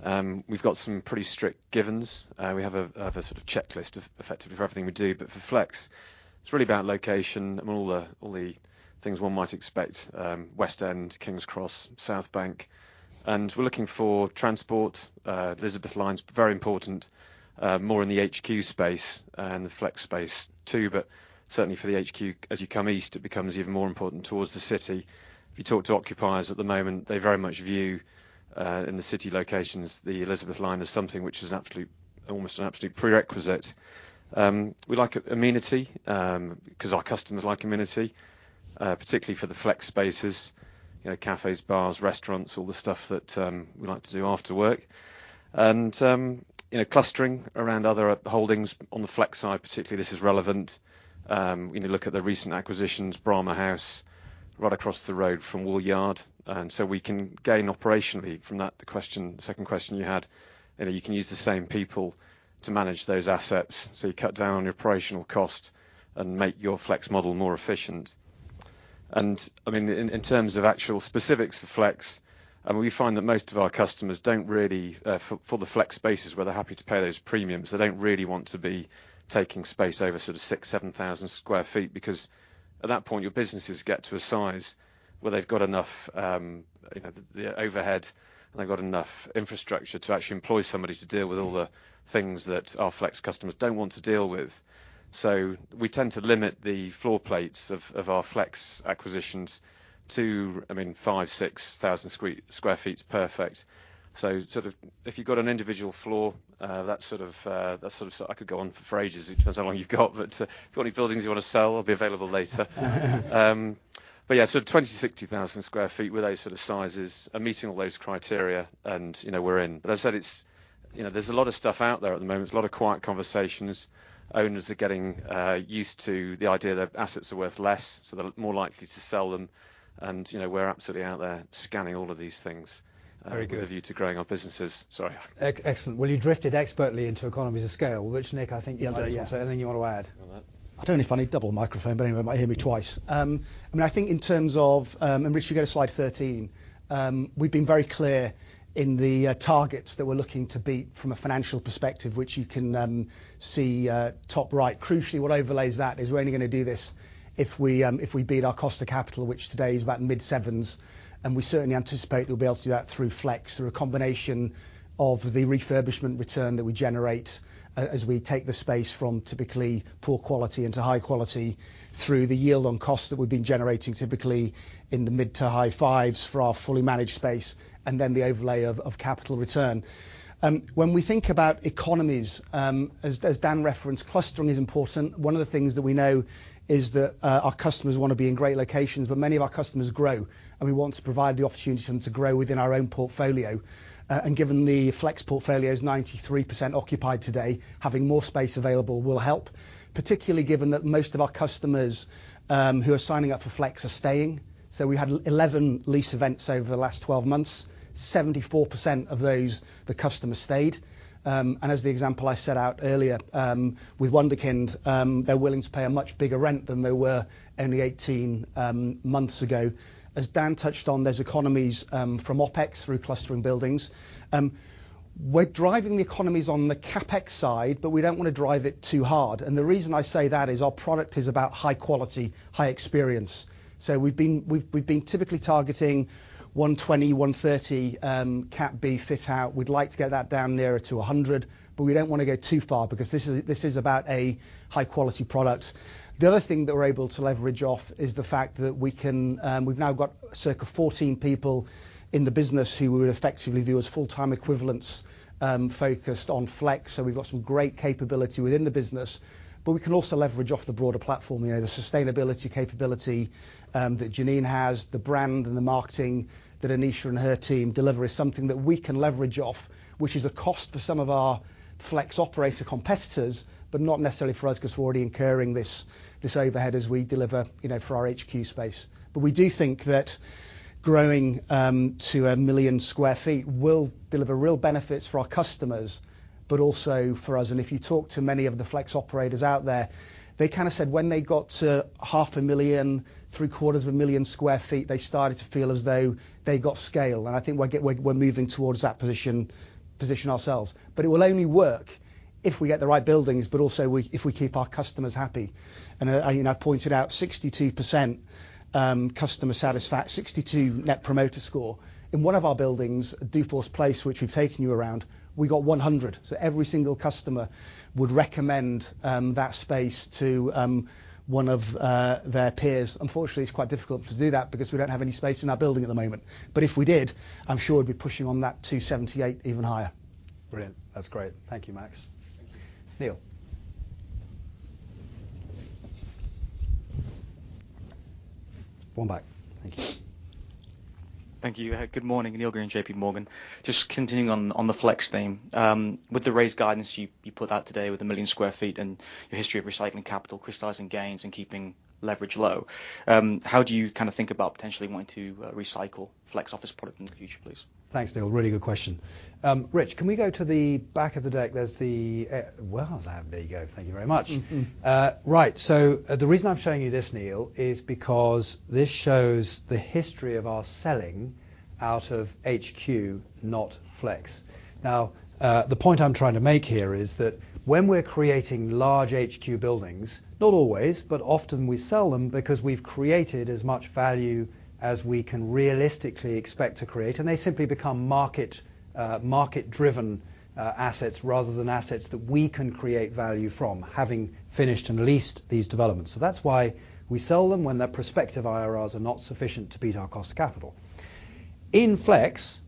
We've got some pretty strict givens. We have a sort of checklist effectively for everything we do. For flex, it's really about location and all the, all the things one might expect, West End, King's Cross, South Bank. We're looking for transport, Elizabeth line is very important, more in the HQ space and the flex space too. Certainly for the HQ, as you come east, it becomes even more important towards the city. If you talk to occupiers at the moment, they very much view, in the city locations, the Elizabeth line as something which is an absolute, almost an absolute prerequisite. We like amenity, 'cause our customers like amenity, particularly for the flex spaces, you know, cafes, bars, restaurants, all the stuff that we like to do after work. You know, clustering around other holdings on the flex side, particularly this is relevant. You know, look at the recent acquisitions, Bramah House, right across the road from Woolyard. We can gain operationally from that. The question, second question you had, you know, you can use the same people to manage those assets, so you cut down on your operational cost and make your flex model more efficient. I mean, in terms of actual specifics for flex, I mean, we find that most of our customers don't really, for the flex spaces where they're happy to pay those premiums, they don't really want to be taking space over sort of 6,000-7,000 sq ft because at that point, your businesses get to a size where they've got enough, you know, the overhead and they've got enough infrastructure to actually employ somebody to deal with all the things that our flex customers don't want to deal with. We tend to limit the floor plates of our flex acquisitions to, I mean, 5,000-6,000 sq ft is perfect. So sort of if you've got an individual floor, that sort of... I could go on for ages, depends how long you've got. If you've got any buildings you wanna sell, I'll be available later. Yeah, 20,000 sq ft-60,000 sq ft with those sort of sizes are meeting all those criteria and, you know, we're in. As I said, it's, you know, there's a lot of stuff out there at the moment. There's a lot of quiet conversations. Owners are getting used to the idea that assets are worth less, so they're more likely to sell them. You know, we're absolutely out there scanning all of these things. Very good. with a view to growing our businesses. Sorry. Excellent. Well, you drifted expertly into economies of scale, which Nick, I think you. Yeah. -wanted to say. Anything you want to add on that? I don't know if I need double microphone, but anyone might hear me twice. I mean, I think in terms of, and Rich if you go to Slide 13, we've been very clear in the targets that we're looking to beat from a financial perspective, which you can see top right. Crucially, what overlays that is we're only gonna do this if we if we beat our cost of capital, which today is about mid-7s, and we certainly anticipate we'll be able to do that through flex, through a combination of the refurbishment return that we generate as we take the space from typically poor quality into high quality through the yield on cost that we've been generating, typically in the mid- to high-5s for our fully managed space, and then the overlay of capital return. When we think about economies, as Dan referenced, clustering is important. One of the things that we know is that our customers wanna be in great locations, many of our customers grow, and we want to provide the opportunity for them to grow within our own portfolio. Given the flex portfolio is 93% occupied today, having more space available will help, particularly given that most of our customers who are signing up for flex are staying. We had 11 lease events over the last 12 months. 74% of those, the customer stayed. As the example I set out earlier, with Wunderkind, they're willing to pay a much bigger rent than they were only 18 months ago. As Dan touched on, there's economies from OpEx through clustering buildings. We're driving the economies on the CapEx side. We don't wanna drive it too hard. The reason I say that is our product is about high quality, high experience. We've been typically targeting 120, 130, Cat B fit out. We'd like to get that down nearer to 100. We don't wanna go too far because this is about a high quality product. The other thing that we're able to leverage off is the fact that we can, we've now got circa 14 people in the business who we would effectively view as full-time equivalents, focused on flex. We've got some great capability within the business, but we can also leverage off the broader platform. You know, the sustainability capability that Janine has, the brand and the marketing that Anisha and her team deliver is something that we can leverage off, which is a cost for some of our flex operator competitors, but not necessarily for us 'cause we're already incurring this overhead as we deliver, you know, for our HQ space. We do think that growing to 1 million sq ft will deliver real benefits for our customers, but also for us. If you talk to many of the flex operators out there, they kinda said when they got to half a million, three-quarters of a million sq ft, they started to feel as though they got scale. I think we're moving towards that position ourselves. it will only work if we get the right buildings, but also we, if we keep our customers happy. you know, I pointed out 62%, customer 62 Net Promoter Score. In one of our buildings, Dufour's Place, which we've taken you around, we got 100. every single customer would recommend that space to one of their peers. Unfortunately, it's quite difficult to do that because we don't have any space in our building at the moment. if we did, I'm sure we'd be pushing on that 278 even higher. Brilliant. That's great. Thank you, Max. Thank you. Neil. 1 mic. Thank you. Thank you. Good morning, Neil Green, J.P. Morgan. Just continuing on the flex theme. With the raised guidance you put out today with 1 million sq ft and your history of recycling capital, crystallizing gains and keeping leverage low, how do you kinda think about potentially wanting to recycle flex office product in the future, please? Thanks, Neil. Really good question. Rich, can we go to the back of the deck? There's the. Well done. There you go. Thank you very much. Mm-hmm. Right. The reason I'm showing you this, Neil, is because this shows the history of our selling out of HQ, not flex. The point I'm trying to make here is that when we're creating large HQ buildings, not always, but often we sell them because we've created as much value as we can realistically expect to create, and they simply become market-driven assets rather than assets that we can create value from having finished and leased these developments. That's why we sell them when their prospective IRRs are not sufficient to beat our cost of capital. In flex,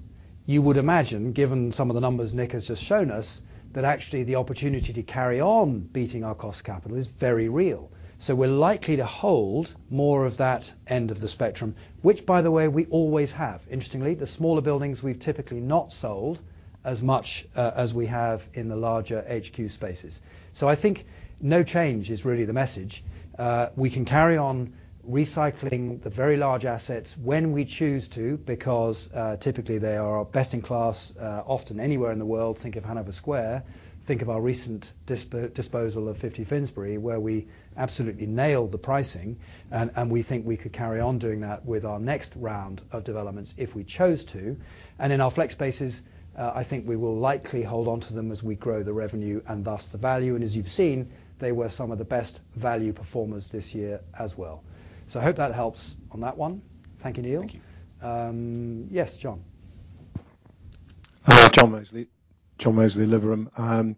you would imagine, given some of the numbers Nick has just shown us, that actually the opportunity to carry on beating our cost of capital is very real. We're likely to hold more of that end of the spectrum, which by the way, we always have. Interestingly, the smaller buildings we've typically not sold as much as we have in the larger HQ spaces. I think no change is really the message. We can carry on recycling the very large assets when we choose to because typically they are best in class often anywhere in the world. Think of Hanover Square, think of our recent disposal of 50 Finsbury, where we absolutely nailed the pricing, and we think we could carry on doing that with our next round of developments if we chose to. In our flex spaces, I think we will likely hold onto them as we grow the revenue and thus the value. As you've seen, they were some of the best value performers this year as well. I hope that helps on that one. Thank you, Neil. Thank you. Yes, John? Hello. Tim Leckie. Tim Leckie, Liberum.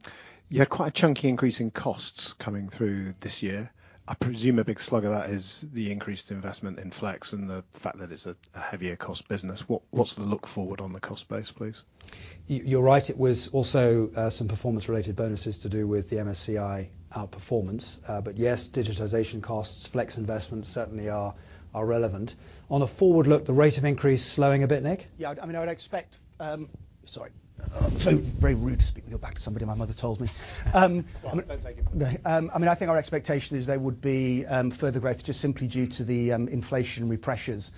You had quite a chunky increase in costs coming through this year. I presume a big slug of that is the increased investment in flex and the fact that it's a heavier cost business. What's the look forward on the cost base, please? You, you're right. It was also some performance related bonuses to do with the MSCI performance. Yes, digitization costs, flex investments certainly are relevant. On a forward look, the rate of increase slowing a bit, Nick? Yeah. I mean, I would expect. Sorry. Very rude to speak with your back to somebody, my mother told me. Well, don't take it from me. I mean, I think our expectation is there would be further growth just simply due to the inflationary pressures.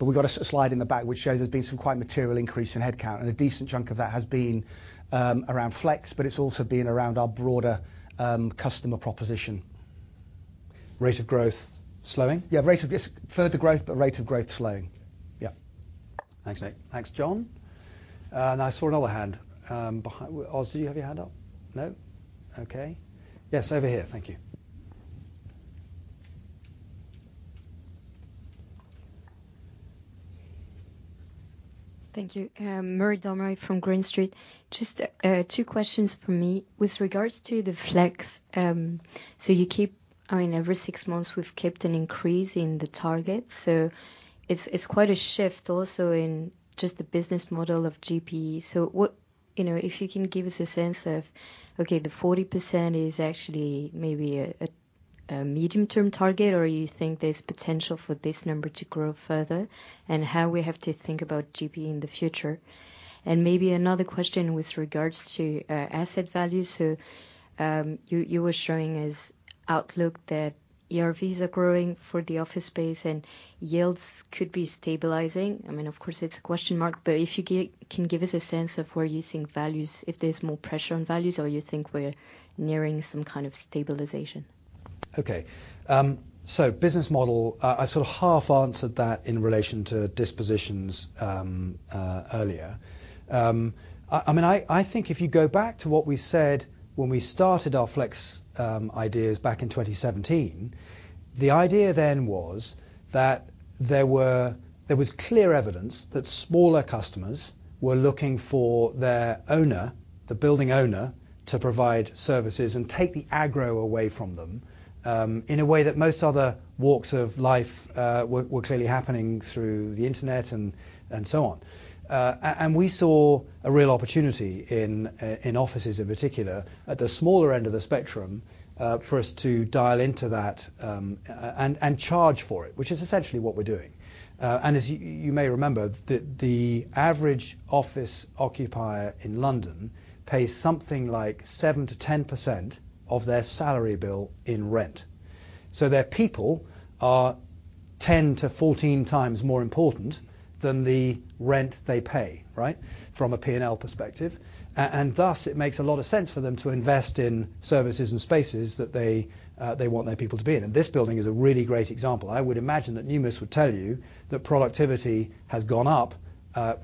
We've got a slide in the back which shows there's been some quite material increase in headcount, and a decent chunk of that has been around flex, but it's also been around our broader, customer proposition. Rate of growth slowing? Yeah, rate of further growth, but rate of growth slowing. Yeah. Thanks, Nick. Thanks, John. I saw another hand, Oz, do you have your hand up? No. Okay. Yes, over here. Thank you. Thank you. Marie Dormeuil from Green Street. Just two questions from me. With regards to the flex, you keep... I mean, every six months we've kept an increase in the target, so it's quite a shift also in just the business model of GP. What... You know, if you can give us a sense of, okay, the 40% is actually maybe a medium-term target, or you think there's potential for this number to grow further, and how we have to think about GP in the future. Maybe another question with regards to asset value. You, you were showing us outlook that your fees are growing for the office space and yields could be stabilizing. I mean, of course, it's a question mark, but if you can give us a sense of where you think values, if there's more pressure on values or you think we're nearing some kind of stabilization? Okay. Business model. I sort of half answered that in relation to dispositions earlier. I mean, I think if you go back to what we said when we started our flex ideas back in 2017, the idea then was that there was clear evidence that smaller customers were looking for their owner, the building owner, to provide services and take the aggro away from them, in a way that most other walks of life were clearly happening through the Internet and so on. And we saw a real opportunity in offices in particular, at the smaller end of the spectrum, for us to dial into that and charge for it, which is essentially what we're doing. As you may remember, the average office occupier in London pays something like 7%-10% of their salary bill in rent. Their people are 10 to 14 times more important than the rent they pay, right? From a P&L perspective. Thus, it makes a lot of sense for them to invest in services and spaces that they want their people to be in. This building is a really great example. I would imagine that Numis would tell you that productivity has gone up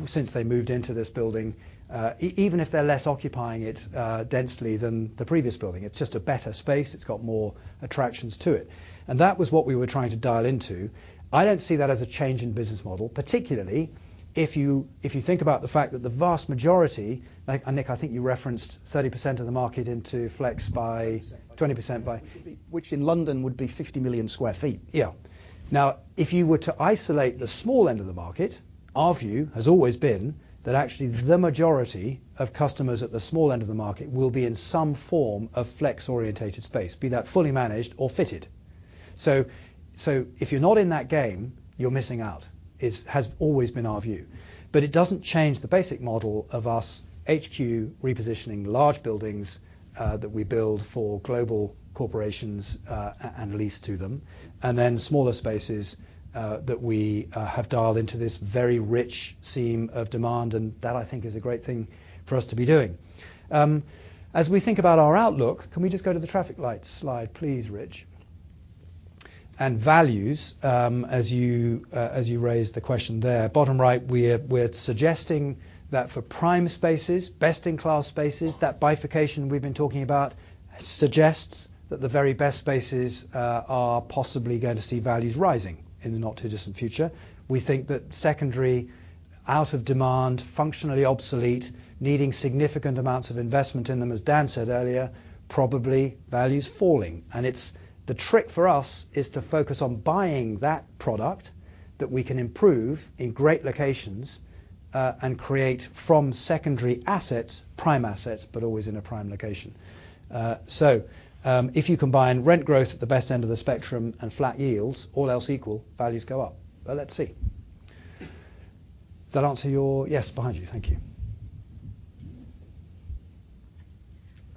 since they moved into this building. Even if they're less occupying it densely than the previous building. It's just a better space. It's got more attractions to it. That was what we were trying to dial into. I don't see that as a change in business model, particularly if you, if you think about the fact that the vast majority, like, and Nick, I think you referenced 30% of the market into flex by- 20%.... 20% Which would be in London would be 50 million sq ft. Yeah. Now, if you were to isolate the small end of the market, our view has always been that actually the majority of customers at the small end of the market will be in some form of flex-oriented space, be that fully managed or fitted. So, if you're not in that game, you're missing out. Has always been our view. It doesn't change the basic model of us HQ repositioning large buildings that we build for global corporations and lease to them. Then smaller spaces that we have dialed into this very rich seam of demand. That, I think is a great thing for us to be doing. As we think about our outlook, can we just go to the traffic light slide, please, Rich? Values, as you as you raised the question there. Bottom right, we're suggesting that for prime spaces, best-in-class spaces, that bifurcation we've been talking about suggests that the very best spaces, are possibly going to see values rising in the not-too-distant future. We think that secondary, out of demand, functionally obsolete, needing significant amounts of investment in them, as Dan said earlier, probably values falling. It's, the trick for us is to focus on buying that product that we can improve in great locations, and create from secondary assets, prime assets, but always in a prime location. If you combine rent growth at the best end of the spectrum and flat yields, all else equal, values go up. Let's see. Does that answer your... Yes, behind you. Thank you.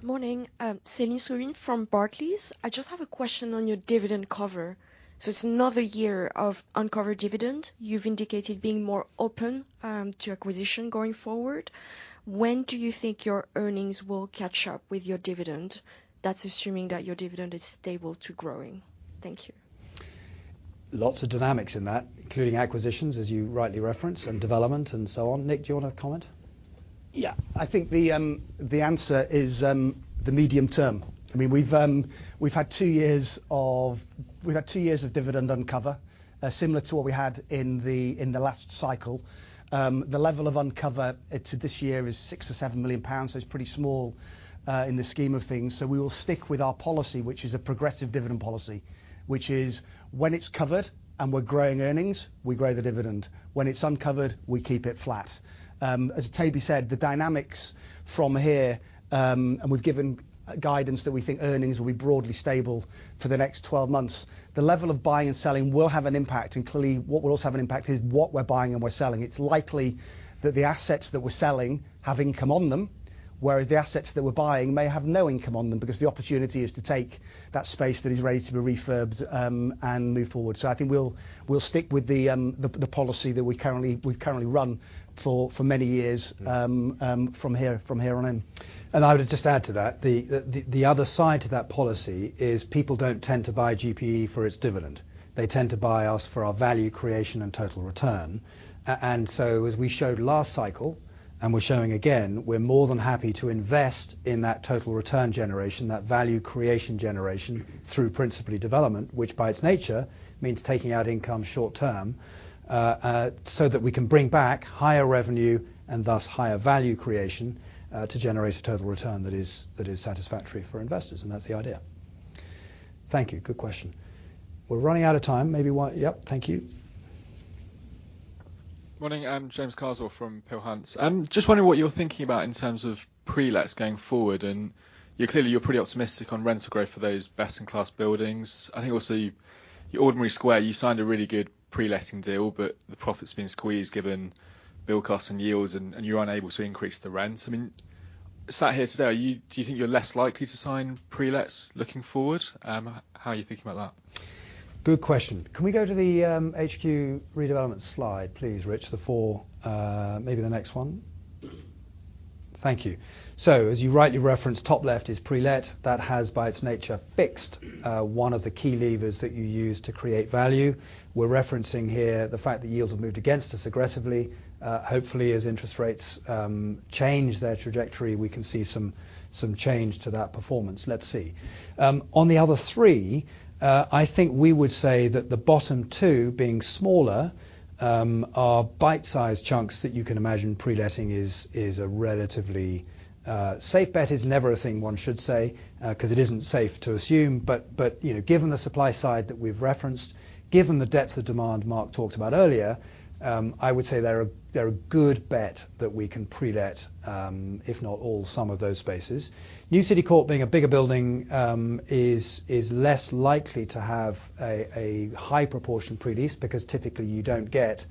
Morning. Eleanor Frew from Barclays. I just have a question on your dividend cover. It's another year of uncovered dividend. You've indicated being more open to acquisition going forward. When do you think your earnings will catch up with your dividend? That's assuming that your dividend is stable to growing. Thank you. Lots of dynamics in that, including acquisitions, as you rightly referenced, and development and so on. Nick, do you want to comment? Yeah. I think the answer is, the medium term. I mean, we've had two years of dividend uncover, similar to what we had in the last cycle. The level of uncover to this year is 6 million or 7 million pounds, so it's pretty small in the scheme of things. We will stick with our policy, which is a progressive dividend policy. Which is, when it's covered and we're growing earnings, we grow the dividend. When it's uncovered, we keep it flat. As Toby said, the dynamics from here, and we've given guidance that we think earnings will be broadly stable for the next 12 months. The level of buying and selling will have an impact, and clearly what will also have an impact is what we're buying and we're selling. It's likely that the assets that we're selling have income on them, whereas the assets that we're buying may have no income on them because the opportunity is to take that space that is ready to be refurbed, and move forward. I think we'll stick with the policy that we've currently run for many years from here on in. I would just add to that, the other side to that policy is people don't tend to buy GPE for its dividend. They tend to buy us for our value creation and total return. As we showed last cycle, and we're showing again, we're more than happy to invest in that total return generation, that value creation generation through principally development, which by its nature means taking out income short-term, so that we can bring back higher revenue and thus higher value creation, to generate a total return that is satisfactory for investors. That's the idea. Thank you. Good question. We're running out of time. Maybe one... Yep, thank you. Morning. I'm James Carswell from Peel Hunt. Just wondering what you're thinking about in terms of pre-lets going forward, and you clearly you're pretty optimistic on rental growth for those best-in-class buildings. I think also your two Aldermanbury Square, you signed a really good pre-letting deal, but the profit's been squeezed given build costs and yields and you're unable to increase the rents. I mean, sat here today, are you do you think you're less likely to sign pre-lets looking forward? How are you thinking about that? Good question. Can we go to the HQ redevelopment slide, please, Rich? The four, maybe the next one. Thank you. As you rightly referenced, top left is pre-let. That has by its nature fixed one of the key levers that you use to create value. We're referencing here the fact that yields have moved against us aggressively. Hopefully as interest rates change their trajectory, we can see some change to that performance. Let's see. On the other three, I think we would say that the bottom two being smaller, are bite-sized chunks that you can imagine pre-letting is a relatively safe bet is never a thing one should say, 'cause it isn't safe to assume. you know, given the supply side that we've referenced, given the depth of demand Mark talked about earlier, I would say they're a good bet that we can pre-let, if not all, some of those spaces. New City Court being a bigger building, is less likely to have a high proportion pre-lease because typically you don't get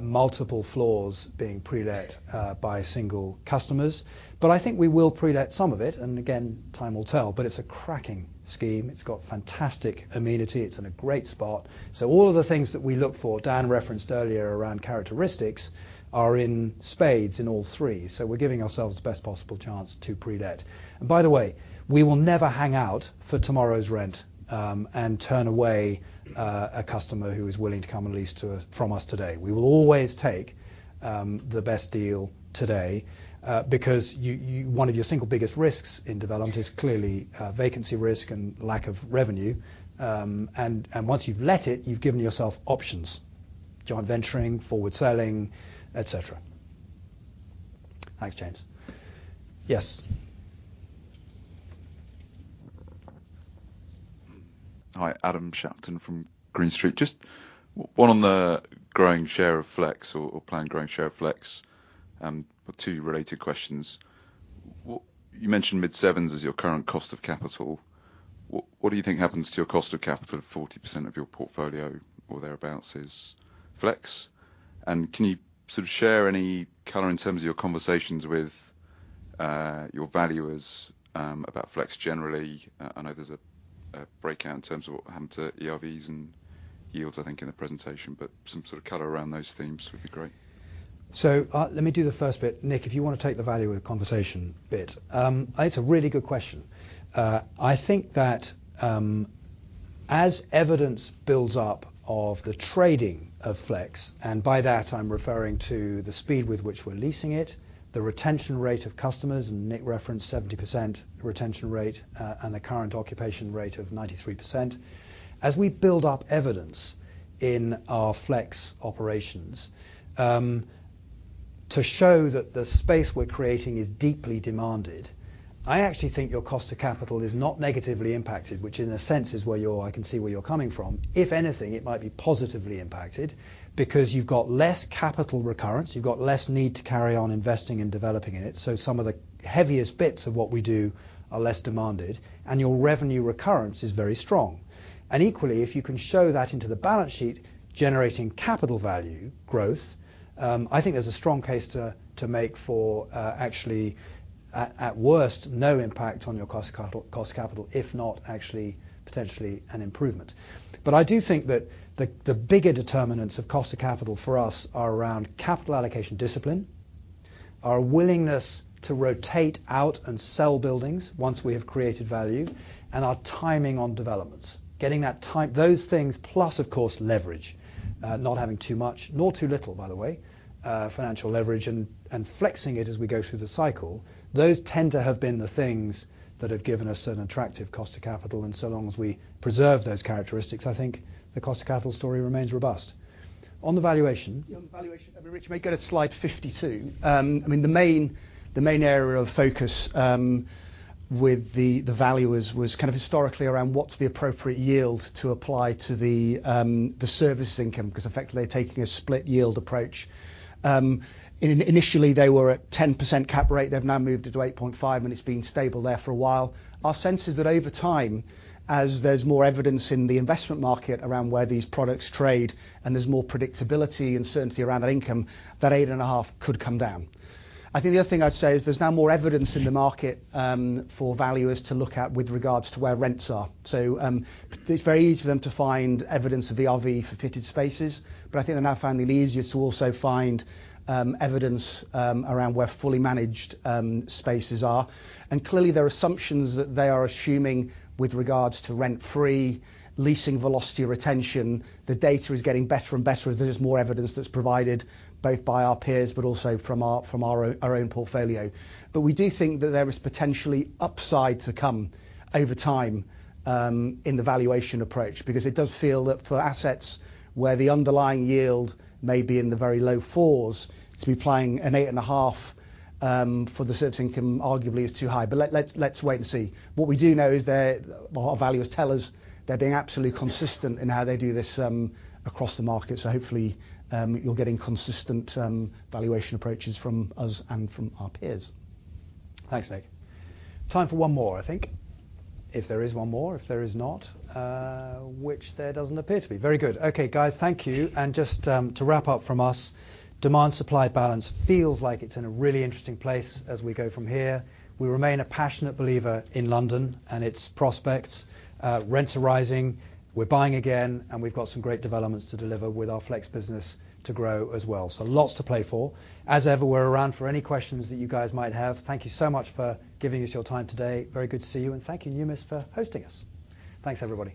multiple floors being pre-let by single customers. I think we will pre-let some of it, and again, time will tell. It's a cracking scheme. It's got fantastic amenity. It's in a great spot. All of the things that we look for, Dan referenced earlier around characteristics, are in spades in all three. We're giving ourselves the best possible chance to pre-let. By the way, we will never hang out for tomorrow's rent, and turn away a customer who is willing to come and lease from us today. We will always take the best deal today, because one of your single biggest risks in development is clearly vacancy risk and lack of revenue. And once you've let it, you've given yourself options, joint venturing, forward selling, et cetera. Thanks, James. Yes. Hi, Adam Shapton from Green Street. Just one on the growing share of flex or planned growing share of flex, two related questions. You mentioned mid-sevens as your current cost of capital. What do you think happens to your cost of capital if 40% of your portfolio or thereabouts is flex? Can you sort of share any color in terms of your conversations with your valuers about flex generally? I know there's a breakout in terms of what happened to ERVs and yields I think in the presentation, but some sort of color around those themes would be great. Let me do the first bit. Nick, if you wanna take the valuer conversation bit. It's a really good question. I think that as evidence builds up of the trading of flex, and by that I'm referring to the speed with which we're leasing it, the retention rate of customers, and Nick referenced 70% retention rate, and the current occupation rate of 93%. As we build up evidence in our flex operations, to show that the space we're creating is deeply demanded, I actually think your cost of capital is not negatively impacted, which in a sense is where I can see where you're coming from. If anything, it might be positively impacted because you've got less capital recurrence, you've got less need to carry on investing and developing in it. some of the heaviest bits of what we do are less demanded, and your revenue recurrence is very strong. Equally, if you can show that into the balance sheet, generating capital value growth, I think there's a strong case to make for, actually, at worst, no impact on your cost capital, if not actually potentially an improvement. I do think that the bigger determinants of cost of capital for us are around capital allocation discipline, our willingness to rotate out and sell buildings once we have created value, and our timing on developments. Getting that time, those things plus, of course, leverage. Not having too much nor too little, by the way, financial leverage and flexing it as we go through the cycle. Those tend to have been the things that have given us an attractive cost of capital, and so long as we preserve those characteristics, I think the cost of capital story remains robust. On the valuation, I mean, Rich, if you may go to Slide 52. I mean, the main area of focus with the value was kind of historically around what's the appropriate yield to apply to the service income, because effectively they're taking a split yield approach. Initially, they were at 10% cap rate. They've now moved it to 8.5, and it's been stable there for a while. Our sense is that over time, as there's more evidence in the investment market around where these products trade and there's more predictability and certainty around that income, that 8.5 could come down. I think the other thing I'd say is there's now more evidence in the market for valuers to look at with regards to where rents are. It's very easy for them to find evidence of the RV for fitted spaces, but I think they're now finding it easier to also find evidence around where fully managed spaces are. Clearly, there are assumptions that they are assuming with regards to rent-free leasing velocity retention. The data is getting better and better as there is more evidence that's provided both by our peers, but also from our own portfolio. We do think that there is potentially upside to come over time in the valuation approach, because it does feel that for assets where the underlying yield may be in the very low 4s, to be applying an 8.5 for the service income arguably is too high. Let's wait and see. What we do know is they're, well, our valuers tell us they're being absolutely consistent in how they do this, across the market. Hopefully, you're getting consistent, valuation approaches from us and from our peers. Thanks, Nick. Time for one more, I think. If there is one more, if there is not, which there doesn't appear to be. Very good. Okay, guys, thank you. Just to wrap up from us, demand-supply balance feels like it's in a really interesting place as we go from here. We remain a passionate believer in London and its prospects. Rents are rising, we're buying again, and we've got some great developments to deliver with our flex business to grow as well. Lots to play for. As ever, we're around for any questions that you guys might have. Thank you so much for giving us your time today. Very good to see you, and thank you, Numis, for hosting us. Thanks, everybody.